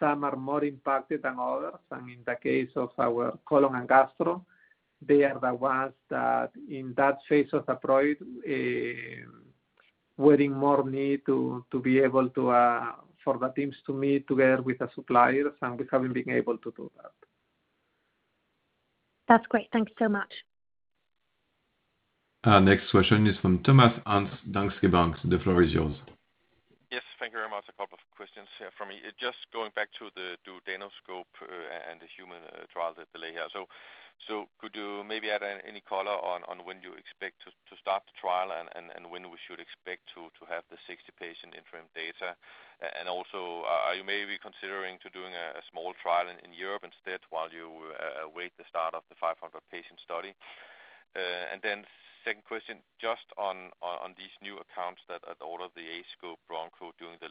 some are more impacted than others. In the case of our colon and gastro, they are the ones that in that phase of the product, were in more need for the teams to meet together with the suppliers, and we haven't been able to do that.
That's great. Thank you so much.
Our next question is from Thomas Clausen, Danske Bank. The floor is yours.
Yes, thank you very much. A couple of questions here from me. Just going back to the duodenoscope, the human trial delay here. Could you maybe add any color on when you expect to start the trial and when we should expect to have the 60-patient interim data? Also, are you maybe considering to doing a small trial in Europe instead while you await the start of the 500-patient study? Second question, just on these new accounts that ordered the aScope Broncho during the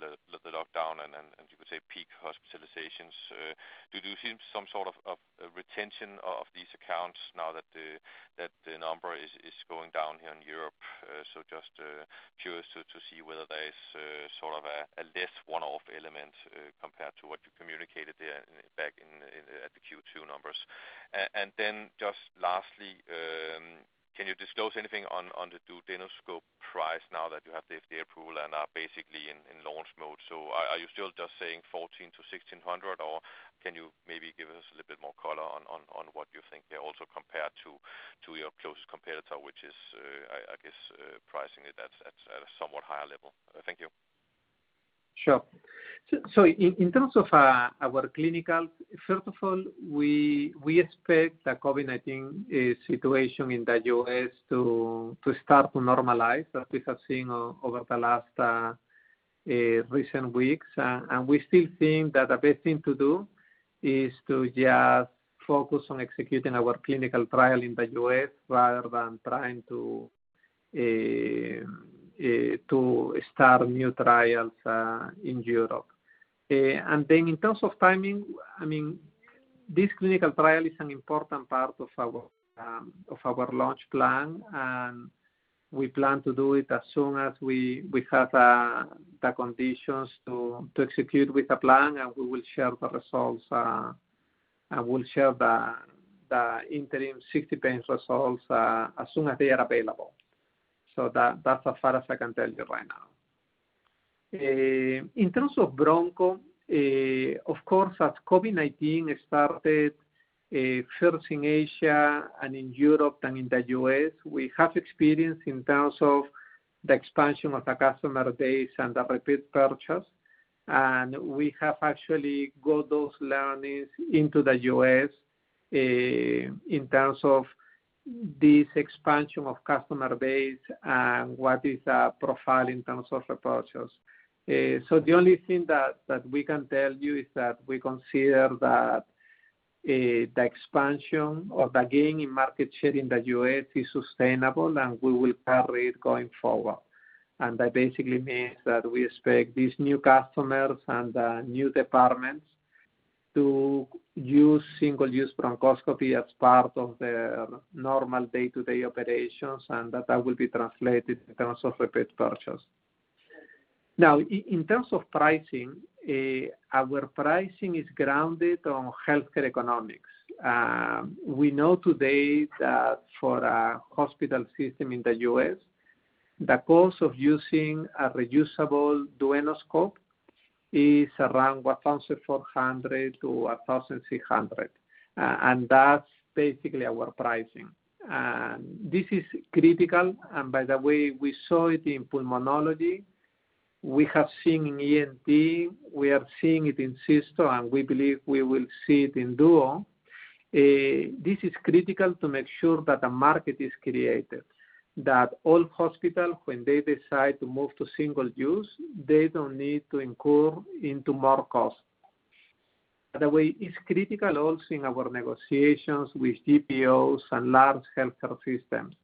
lockdown and you could say peak hospitalizations. Do you see some sort of a retention of these accounts now that the number is going down here in Europe? Just curious to see whether there is sort of a less one-off element compared to what you communicated there back at the Q2 numbers. Just lastly, can you disclose anything on the duodenoscope price now that you have the FDA approval and are basically in launch mode? Are you still just saying 1,400-1,600, or can you maybe give us a little bit more color on what you think there also compared to your closest competitor, which is, I guess, pricing it at a somewhat higher level? Thank you.
Sure. In terms of our clinical, first of all, we expect the COVID-19 situation in the U.S. to start to normalize, as we have seen over the last recent weeks. We still think that the best thing to do is to just focus on executing our clinical trial in the U.S. rather than trying to start new trials in Europe. In terms of timing, this clinical trial is an important part of our launch plan, and we plan to do it as soon as we have the conditions to execute with the plan, and we will share the results, and we'll share the interim 60 patients results as soon as they are available. That's as far as I can tell you right now. In terms of aScope Broncho, of course, as COVID-19 started first in Asia and in Europe and in the U.S., we have experience in terms of the expansion of the customer base and the repeat purchase. We have actually got those learnings into the U.S. in terms of this expansion of customer base and what is the profile in terms of the purchase. The only thing that we can tell you is that we consider that the expansion or the gain in market share in the U.S. is sustainable, and we will carry it going forward. That basically means that we expect these new customers and the new departments to use single-use bronchoscopy as part of their normal day-to-day operations, and that will be translated in terms of repeat purchase. Now, in terms of pricing, our pricing is grounded on healthcare economics. We know today that for a hospital system in the U.S., the cost of using a reusable duodenoscope is around 1,400-1,600, and that's basically our pricing. This is critical. By the way, we saw it in pulmonology. We have seen in ENT, we are seeing it in Cysto, and we believe we will see it in duo. This is critical to make sure that a market is created, that all hospitals, when they decide to move to single-use, they don't need to incur into more cost. By the way, it's critical also in our negotiations with GPOs and large healthcare systems.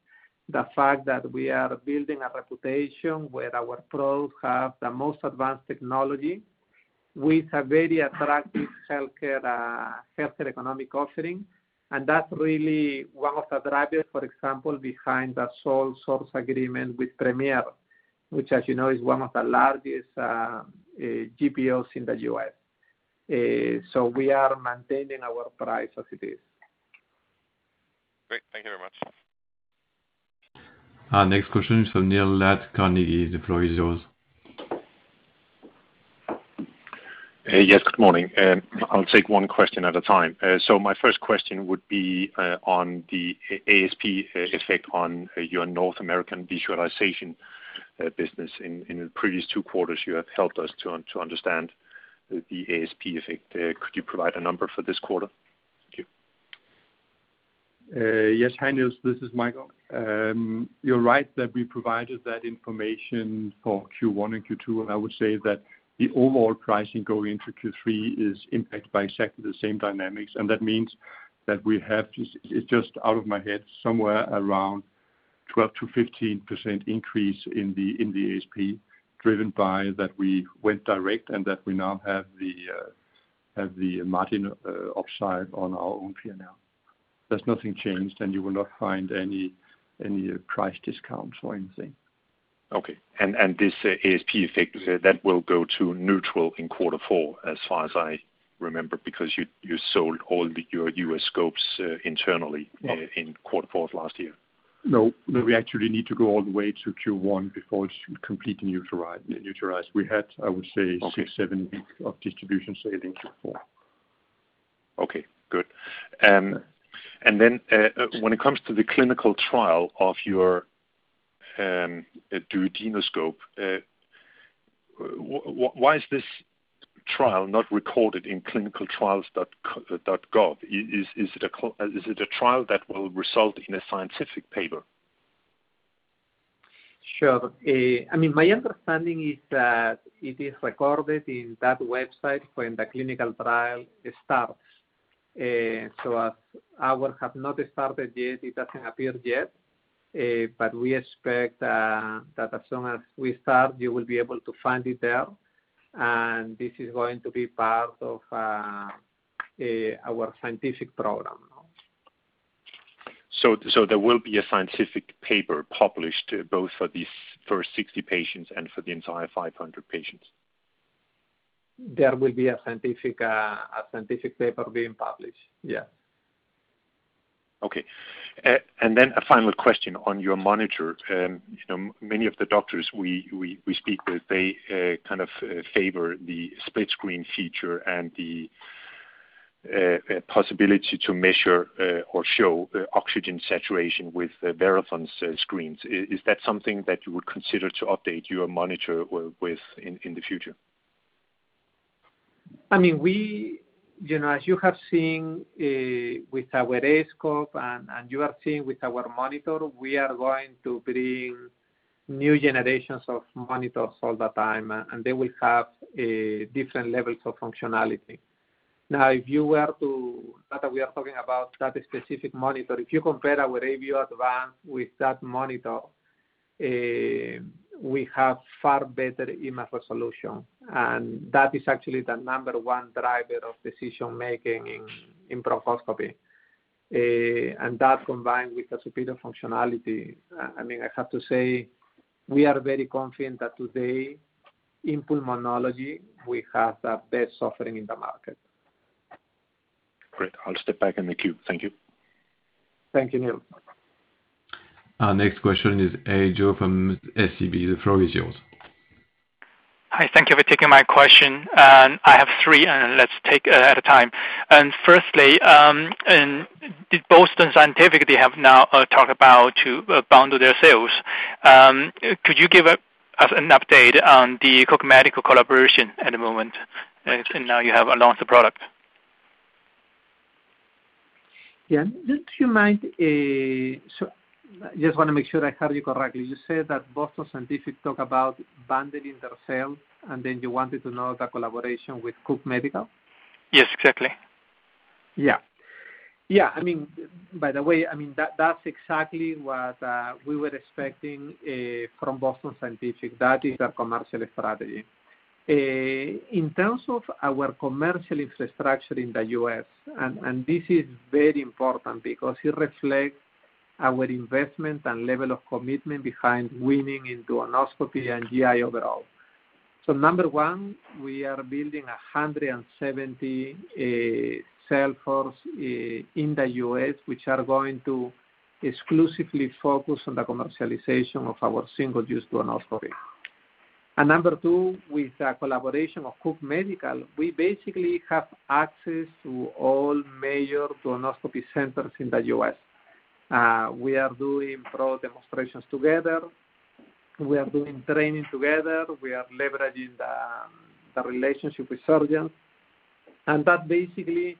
The fact that we are building a reputation where our products have the most advanced technology with a very attractive healthcare economic offering. That's really one of the drivers, for example, behind the sole source agreement with Premier, which as you know, is one of the largest GPOs in the U.S. We are maintaining our price as it is.
Great. Thank you very much.
Our next question is from Niels Granholm-Leth, Carnegie. The floor is yours.
Yes, good morning. I'll take one question at a time. My first question would be on the ASP effect on your North American visualization business. In the previous two quarters, you have helped us to understand the ASP effect. Could you provide a number for this quarter? Thank you.
Yes. Hi, Niels Granholm-Leth. This is Michael Højgaard. You're right that we provided that information for Q1 and Q2. I would say that the overall pricing going into Q3 is impacted by exactly the same dynamics. That means that we have, it's just out of my head, somewhere around 12%-15% increase in the ASP driven by that we went direct and that we now have the margin upside on our own P&L. There's nothing changed. You will not find any price discounts or anything.
Okay. This ASP effect, that will go to neutral in quarter four, as far as I remember, because you sold all your U.S. scopes internally in quarter four of last year.
No, we actually need to go all the way to Q1 before it's completely neutralized. We had, I would say six, seven weeks of distribution, say, in Q4.
Okay, good. When it comes to the clinical trial of your duodenoscope, why is this trial not recorded in clinicaltrials.gov? Is it a trial that will result in a scientific paper?
Sure. My understanding is that it is recorded in that website when the clinical trial starts. As ours have not started yet, it doesn't appear yet. We expect that as soon as we start, you will be able to find it there, and this is going to be part of our scientific program now.
There will be a scientific paper published both for these first 60 patients and for the entire 500 patients.
There will be a scientific paper being published, yeah.
Okay. A final question on your monitor. Many of the doctors we speak with, they kind of favor the split screen feature and the possibility to measure or show oxygen saturation with Verathon's screens. Is that something that you would consider to update your monitor with in the future?
As you have seen with our aScope and you are seeing with our monitor, we are going to bring new generations of monitors all the time, and they will have different levels of functionality. Now, if you were to, not that we are talking about that specific monitor. If you compare our aView 2 Advance with that monitor, we have far better image resolution, and that is actually the number one driver of decision-making in bronchoscopy. That combined with the superior functionality, I have to say, we are very confident that today in pulmonology, we have the best offering in the market.
Great. I'll step back in the queue. Thank you.
Thank you, Niels Granholm-Leth.
Our next question is Joe from SEB. The floor is yours.
Hi. Thank you for taking my question. I have three. Let's take one at a time. Firstly, Boston Scientific, they have now talked about to bundle their sales. Could you give us an update on the Cook Medical collaboration at the moment? Now you have announced the product?
Yeah. Just want to make sure I heard you correctly. You said that Boston Scientific talk about bundling their sales, and then you wanted to know the collaboration with Cook Medical?
Yes, exactly.
Yeah. By the way, that's exactly what we were expecting from Boston Scientific. That is their commercial strategy. In terms of our commercial infrastructure in the U.S., this is very important because it reflects our investment and level of commitment behind winning in duodenoscopy and GI overall. Number one, we are building 170 salesforce in the U.S., which are going to exclusively focus on the commercialization of our single-use duodenoscopy. Number two, with the collaboration of Cook Medical, we basically have access to all major duodenoscopy centers in the U.S. We are doing PROVE demonstrations together. We are doing training together. We are leveraging the relationship with surgeons. That basically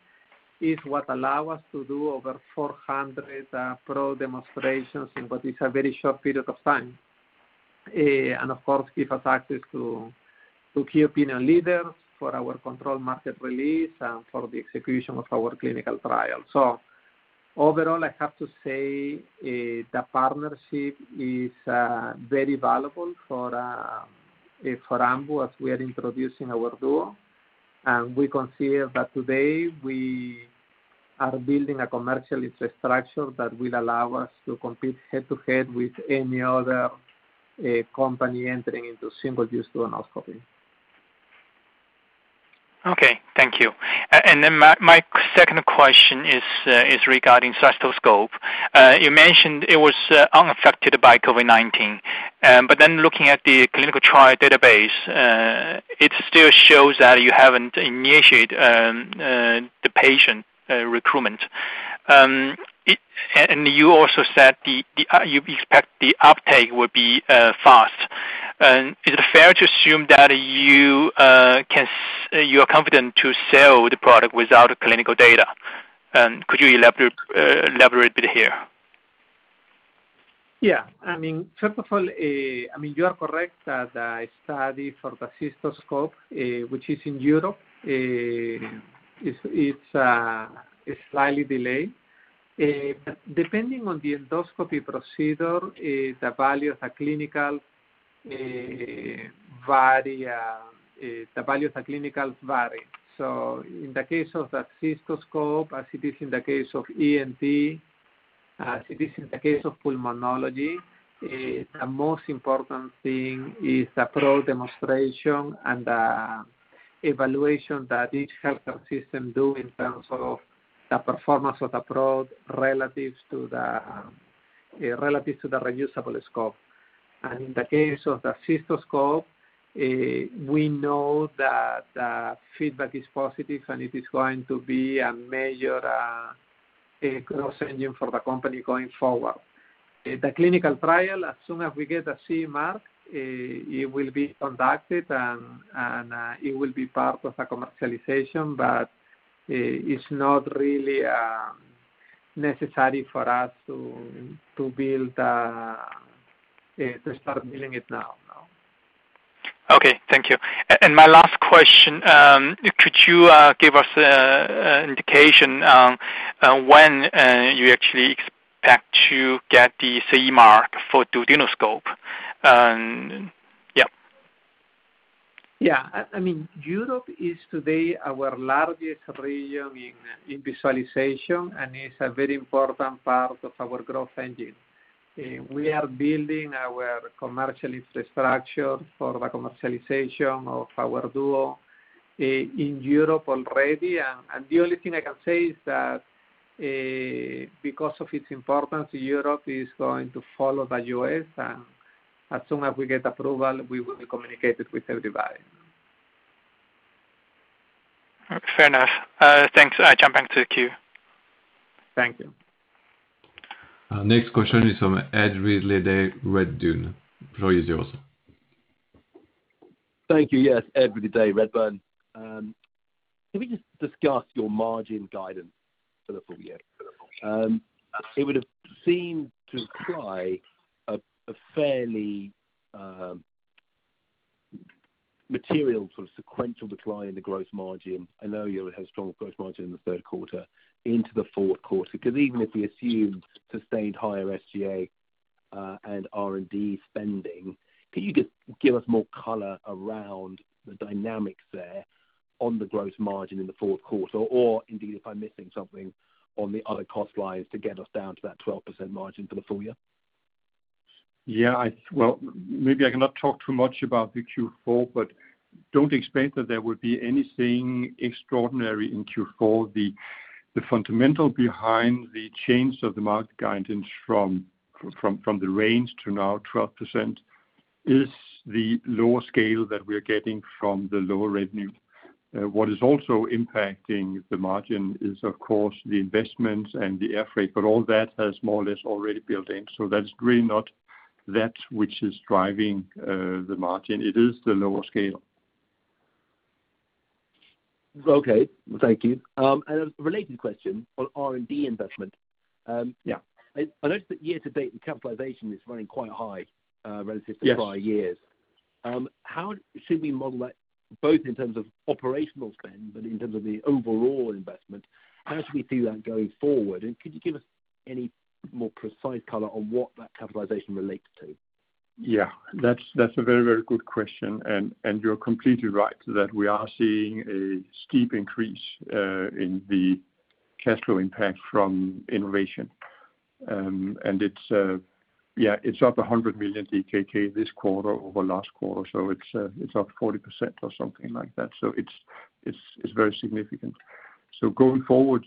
is what allow us to do over 400 PROVE demonstrations in what is a very short period of time. Of course, give us access to key opinion leaders for our controlled market release and for the execution of our clinical trial. Overall, I have to say, the partnership is very valuable for Ambu as we are introducing our duo. We consider that today we are building a commercial infrastructure that will allow us to compete head-to-head with any other company entering into single-use duodenoscopy.
Okay. Thank you. My second question is regarding cystoscope. You mentioned it was unaffected by COVID-19. Looking at the clinical trial database, it still shows that you haven't initiated the patient recruitment. You also said you expect the uptake will be fast. Is it fair to assume that you are confident to sell the product without clinical data? Could you elaborate a bit here?
Yeah. First of all, you are correct that a study for the cystoscope, which is in Europe, it's slightly delayed. Depending on the endoscopy procedure, the value of the clinical vary. In the case of the cystoscope, as it is in the case of ENT, as it is in the case of pulmonology, the most important thing is the product demonstration and the evaluation that each healthcare system do in terms of the performance of the product relative to the reusable scope. In the case of the cystoscope, we know that the feedback is positive, and it is going to be a major growth engine for the company going forward. The clinical trial, as soon as we get the CE mark, it will be conducted, and it will be part of the commercialization, but it's not really necessary for us to start building it now.
Okay. Thank you. My last question, could you give us an indication on when you actually expect to get the CE mark for duodenoscope? Yeah.
Yeah. Europe is today our largest region in visualization and is a very important part of our growth engine. We are building our commercial infrastructure for the commercialization of our duo in Europe already. The only thing I can say is that, because of its importance to Europe, it's going to follow the U.S., and as soon as we get approval, we will communicate it with everybody.
Fair enough. Thanks. I jump back to the queue.
Thank you.
Next question is from Ed Ridley-Day. The floor is yours.
Thank you. Yes, Ed Ridley-Day with Redburn. Can we just discuss your margin guidance for the full year? It would've seemed to imply a fairly material sort of sequential decline in the gross margin. I know you had strong gross margin in the third quarter into the fourth quarter, because even if we assumed sustained higher SG&A and R&D spending, could you just give us more color around the dynamics there on the gross margin in the fourth quarter, or indeed, if I'm missing something on the other cost lines to get us down to that 12% margin for the full year?
Yeah. Well, maybe I cannot talk too much about the Q4, but don't expect that there will be anything extraordinary in Q4. The fundamental behind the change of the market guidance from the range to now 12% is the lower scale that we're getting from the lower revenue. What is also impacting the margin is, of course, the investments and the air freight, but all that has more or less already built in. That's really not that which is driving the margin. It is the lower scale.
Okay. Thank you. A related question on R&D investment. I noticed that year-to-date, the capitalization is running quite high prior years. How should we model that, both in terms of operational spend, but in terms of the overall investment, how should we see that going forward? Could you give us any more precise color on what that capitalization relates to?
Yeah. That's a very good question. You're completely right that we are seeing a steep increase in the cash flow impact from innovation. It's up 100 million DKK this quarter over last quarter. It's up 40% or something like that. It's very significant. Going forward,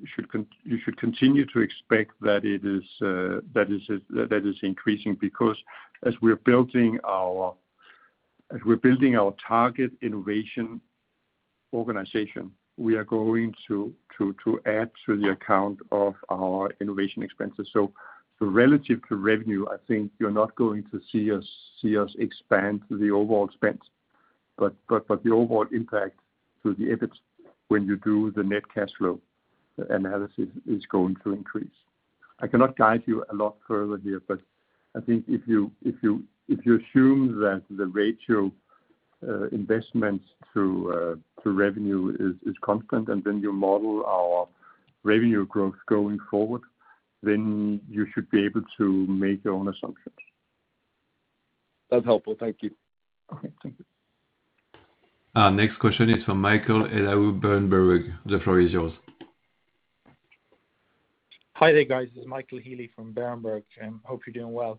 you should continue to expect that it is increasing because as we're building our target innovation organization, we are going to add to the account of our innovation expenses. Relative to revenue, I think you're not going to see us expand the overall spend. The overall impact to the EBIT, when you do the net cash flow analysis, is going to increase. I cannot guide you a lot further here, but I think if you assume that the ratio investments to revenue is constant, and then you model our revenue growth going forward, then you should be able to make your own assumptions.
That's helpful. Thank you.
Okay. Thank you.
Our next question is from Michael Healy, Berenberg. The floor is yours.
Hi there, guys. This is Michael Healy from Berenberg. Hope you're doing well.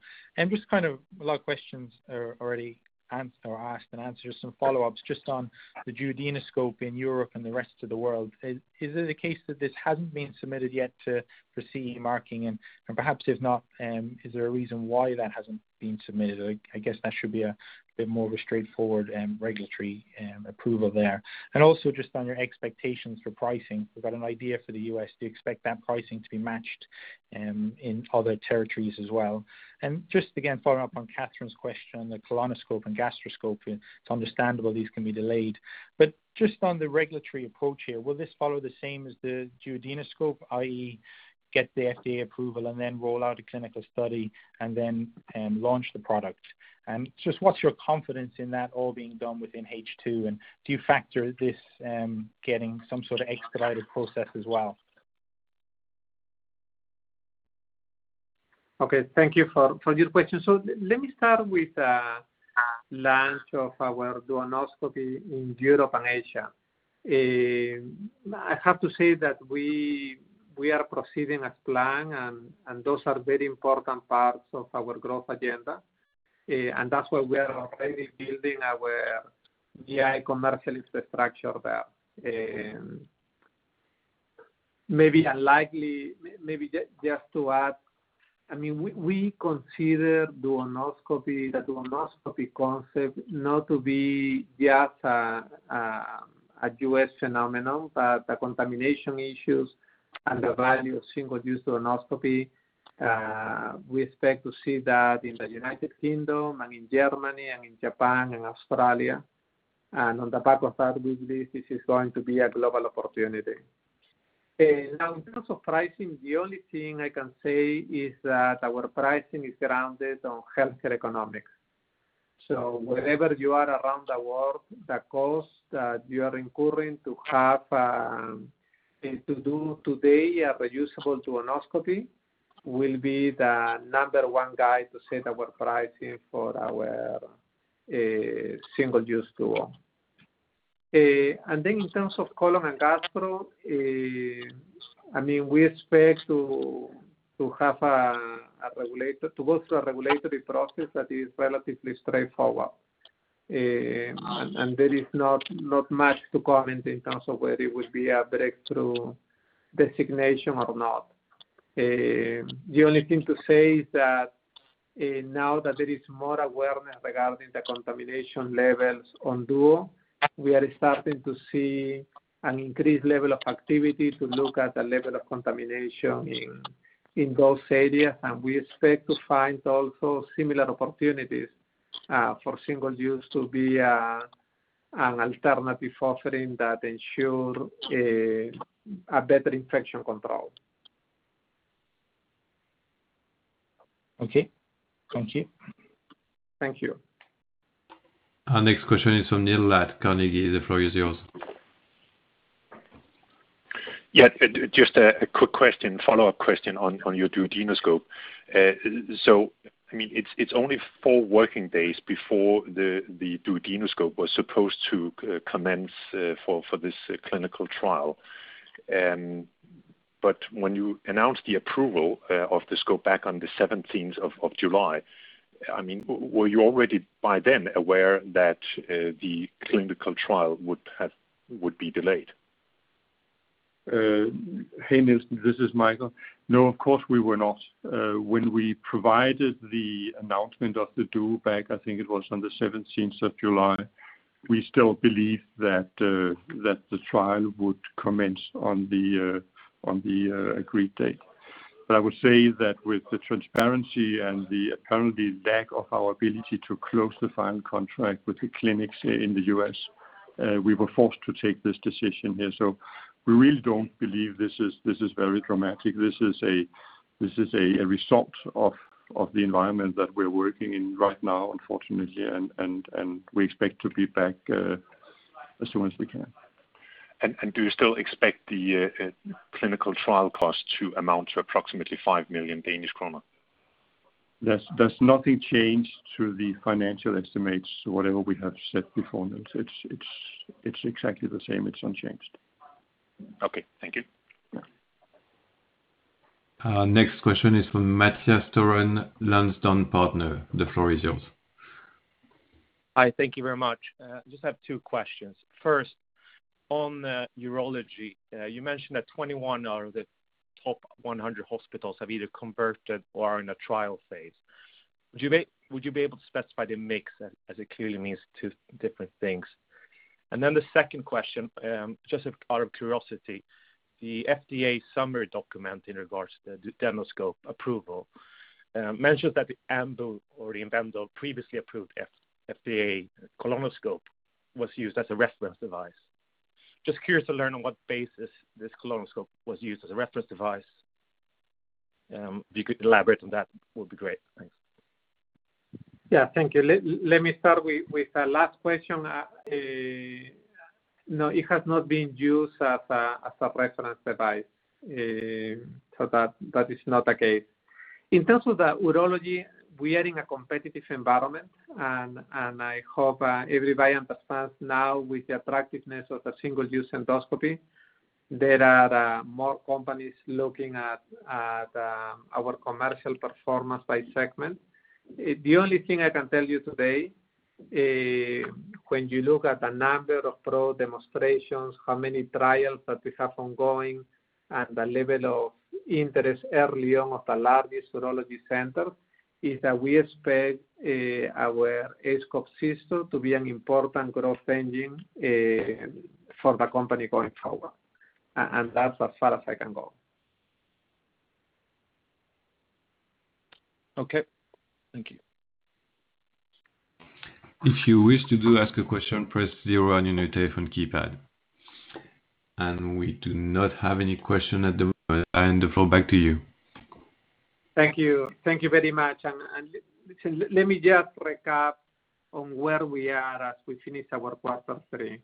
Just kind of a lot of questions are already asked and answered. Some follow-ups just on the duodenoscope in Europe and the rest of the world. Is it a case that this hasn't been submitted yet for CE marking? If perhaps it's not, is there a reason why that hasn't been submitted? I guess that should be a bit more of a straightforward regulatory approval there. Also just on your expectations for pricing, we've got an idea for the U.S. Do you expect that pricing to be matched in other territories as well? Just again, following up on Catherine's question on the colonoscope and gastroscopy, it's understandable these can be delayed. Just on the regulatory approach here, will this follow the same as the duodenoscope, i.e. get the FDA approval and then roll out a clinical study and then launch the product? Just what's your confidence in that all being done within H2, and do you factor this getting some sort of expedited process as well?
Thank you for your question. Let me start with launch of our duodenoscope in Europe and Asia. I have to say that we are proceeding as planned. Those are very important parts of our growth agenda. That's why we are already building our GI commercial infrastructure there. Maybe just to add, we consider the duodenoscope concept not to be just a U.S. phenomenon. The contamination issues and the value of single-use duodenoscopy, we expect to see that in the U.K. and in Germany and in Japan and Australia. On the back of that, we believe this is going to be a global opportunity. In terms of pricing, the only thing I can say is that our pricing is grounded on healthcare economics. Wherever you are around the world, the cost that you are incurring to do today a reusable duodenoscopy will be the number one guide to set our pricing for our single-use duo. In terms of colon and gastro, we expect to go through a regulatory process that is relatively straightforward. There is not much to comment in terms of whether it would be a breakthrough designation or not. The only thing to say is that now that there is more awareness regarding the contamination levels on duo, we are starting to see an increased level of activity to look at the level of contamination in those areas. We expect to find also similar opportunities for single-use to be an alternative offering that ensure a better infection control.
Okay. Thank you.
Thank you.
Our next question is from Niels Granholm-Leth, Carnegie. The floor is yours.
Yeah, just a quick question, follow-up question on your duodenoscope. It's only four working days before the duodenoscope was supposed to commence for this clinical trial. When you announced the approval of the scope back on the 17th of July, were you already by then aware that the clinical trial would be delayed?
Hey, Niels Granholm-Leth. This is Michael Højgaard. Of course we were not. When we provided the announcement of the Duo back, I think it was on the 17th of July, we still believed that the trial would commence on the agreed date. I would say that with the transparency and the apparent lack of our ability to close the final contract with the clinics here in the U.S., we were forced to take this decision here. We really don't believe this is very dramatic. This is a result of the environment that we're working in right now, unfortunately. We expect to be back as soon as we can.
Do you still expect the clinical trial cost to amount to approximately 5 million Danish kroner?
There's nothing changed to the financial estimates, whatever we have said before. No, it's exactly the same. It's unchanged.
Okay. Thank you.
Yeah.
Our next question is from Mathias Torren, Lansdowne Partners. The floor is yours.
Hi. Thank you very much. I just have two questions. First, on urology. You mentioned that 21 out of the top 100 hospitals have either converted or are in a trial phase. Would you be able to specify the mix, as it clearly means two different things? The second question, just out of curiosity, the FDA summary document in regards to the aScope Duodeno approval mentions that the Ambu or the Invendo previously approved FDA colonoscope was used as a reference device. Just curious to learn on what basis this colonoscope was used as a reference device. If you could elaborate on that, would be great. Thanks.
Yeah, thank you. Let me start with the last question. No, it has not been used as a reference device. That is not the case. In terms of the urology, we are in a competitive environment, and I hope everybody understands now with the attractiveness of the single-use endoscopy, there are more companies looking at our commercial performance by segment. The only thing I can tell you today, when you look at the number of PROVE demonstrations, how many trials that we have ongoing, and the level of interest early on of the largest urology center, is that we expect our aScope system to be an important growth engine for the company going forward. That's as far as I can go.
Okay. Thank you.
If you wish to ask a question, press zero on your telephone keypad. We do not have any question at the moment. Juan-José Gonzalez, the floor back to you.
Thank you. Thank you very much. Listen, let me just recap on where we are as we finish our quarter three.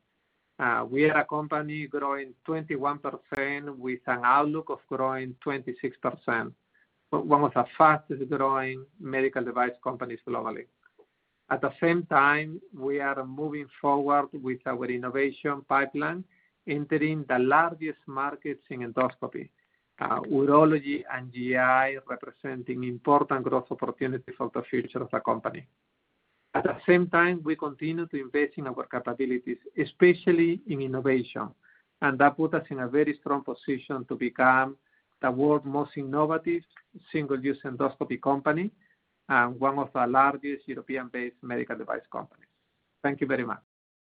We are a company growing 21% with an outlook of growing 26%, one of the fastest-growing medical device companies globally. At the same time, we are moving forward with our innovation pipeline, entering the largest markets in endoscopy, urology and GI, representing important growth opportunities for the future of the company. At the same time, we continue to invest in our capabilities, especially in innovation, and that put us in a very strong position to become the world's most innovative single-use endoscopy company and one of the largest European-based medical device companies. Thank you very much.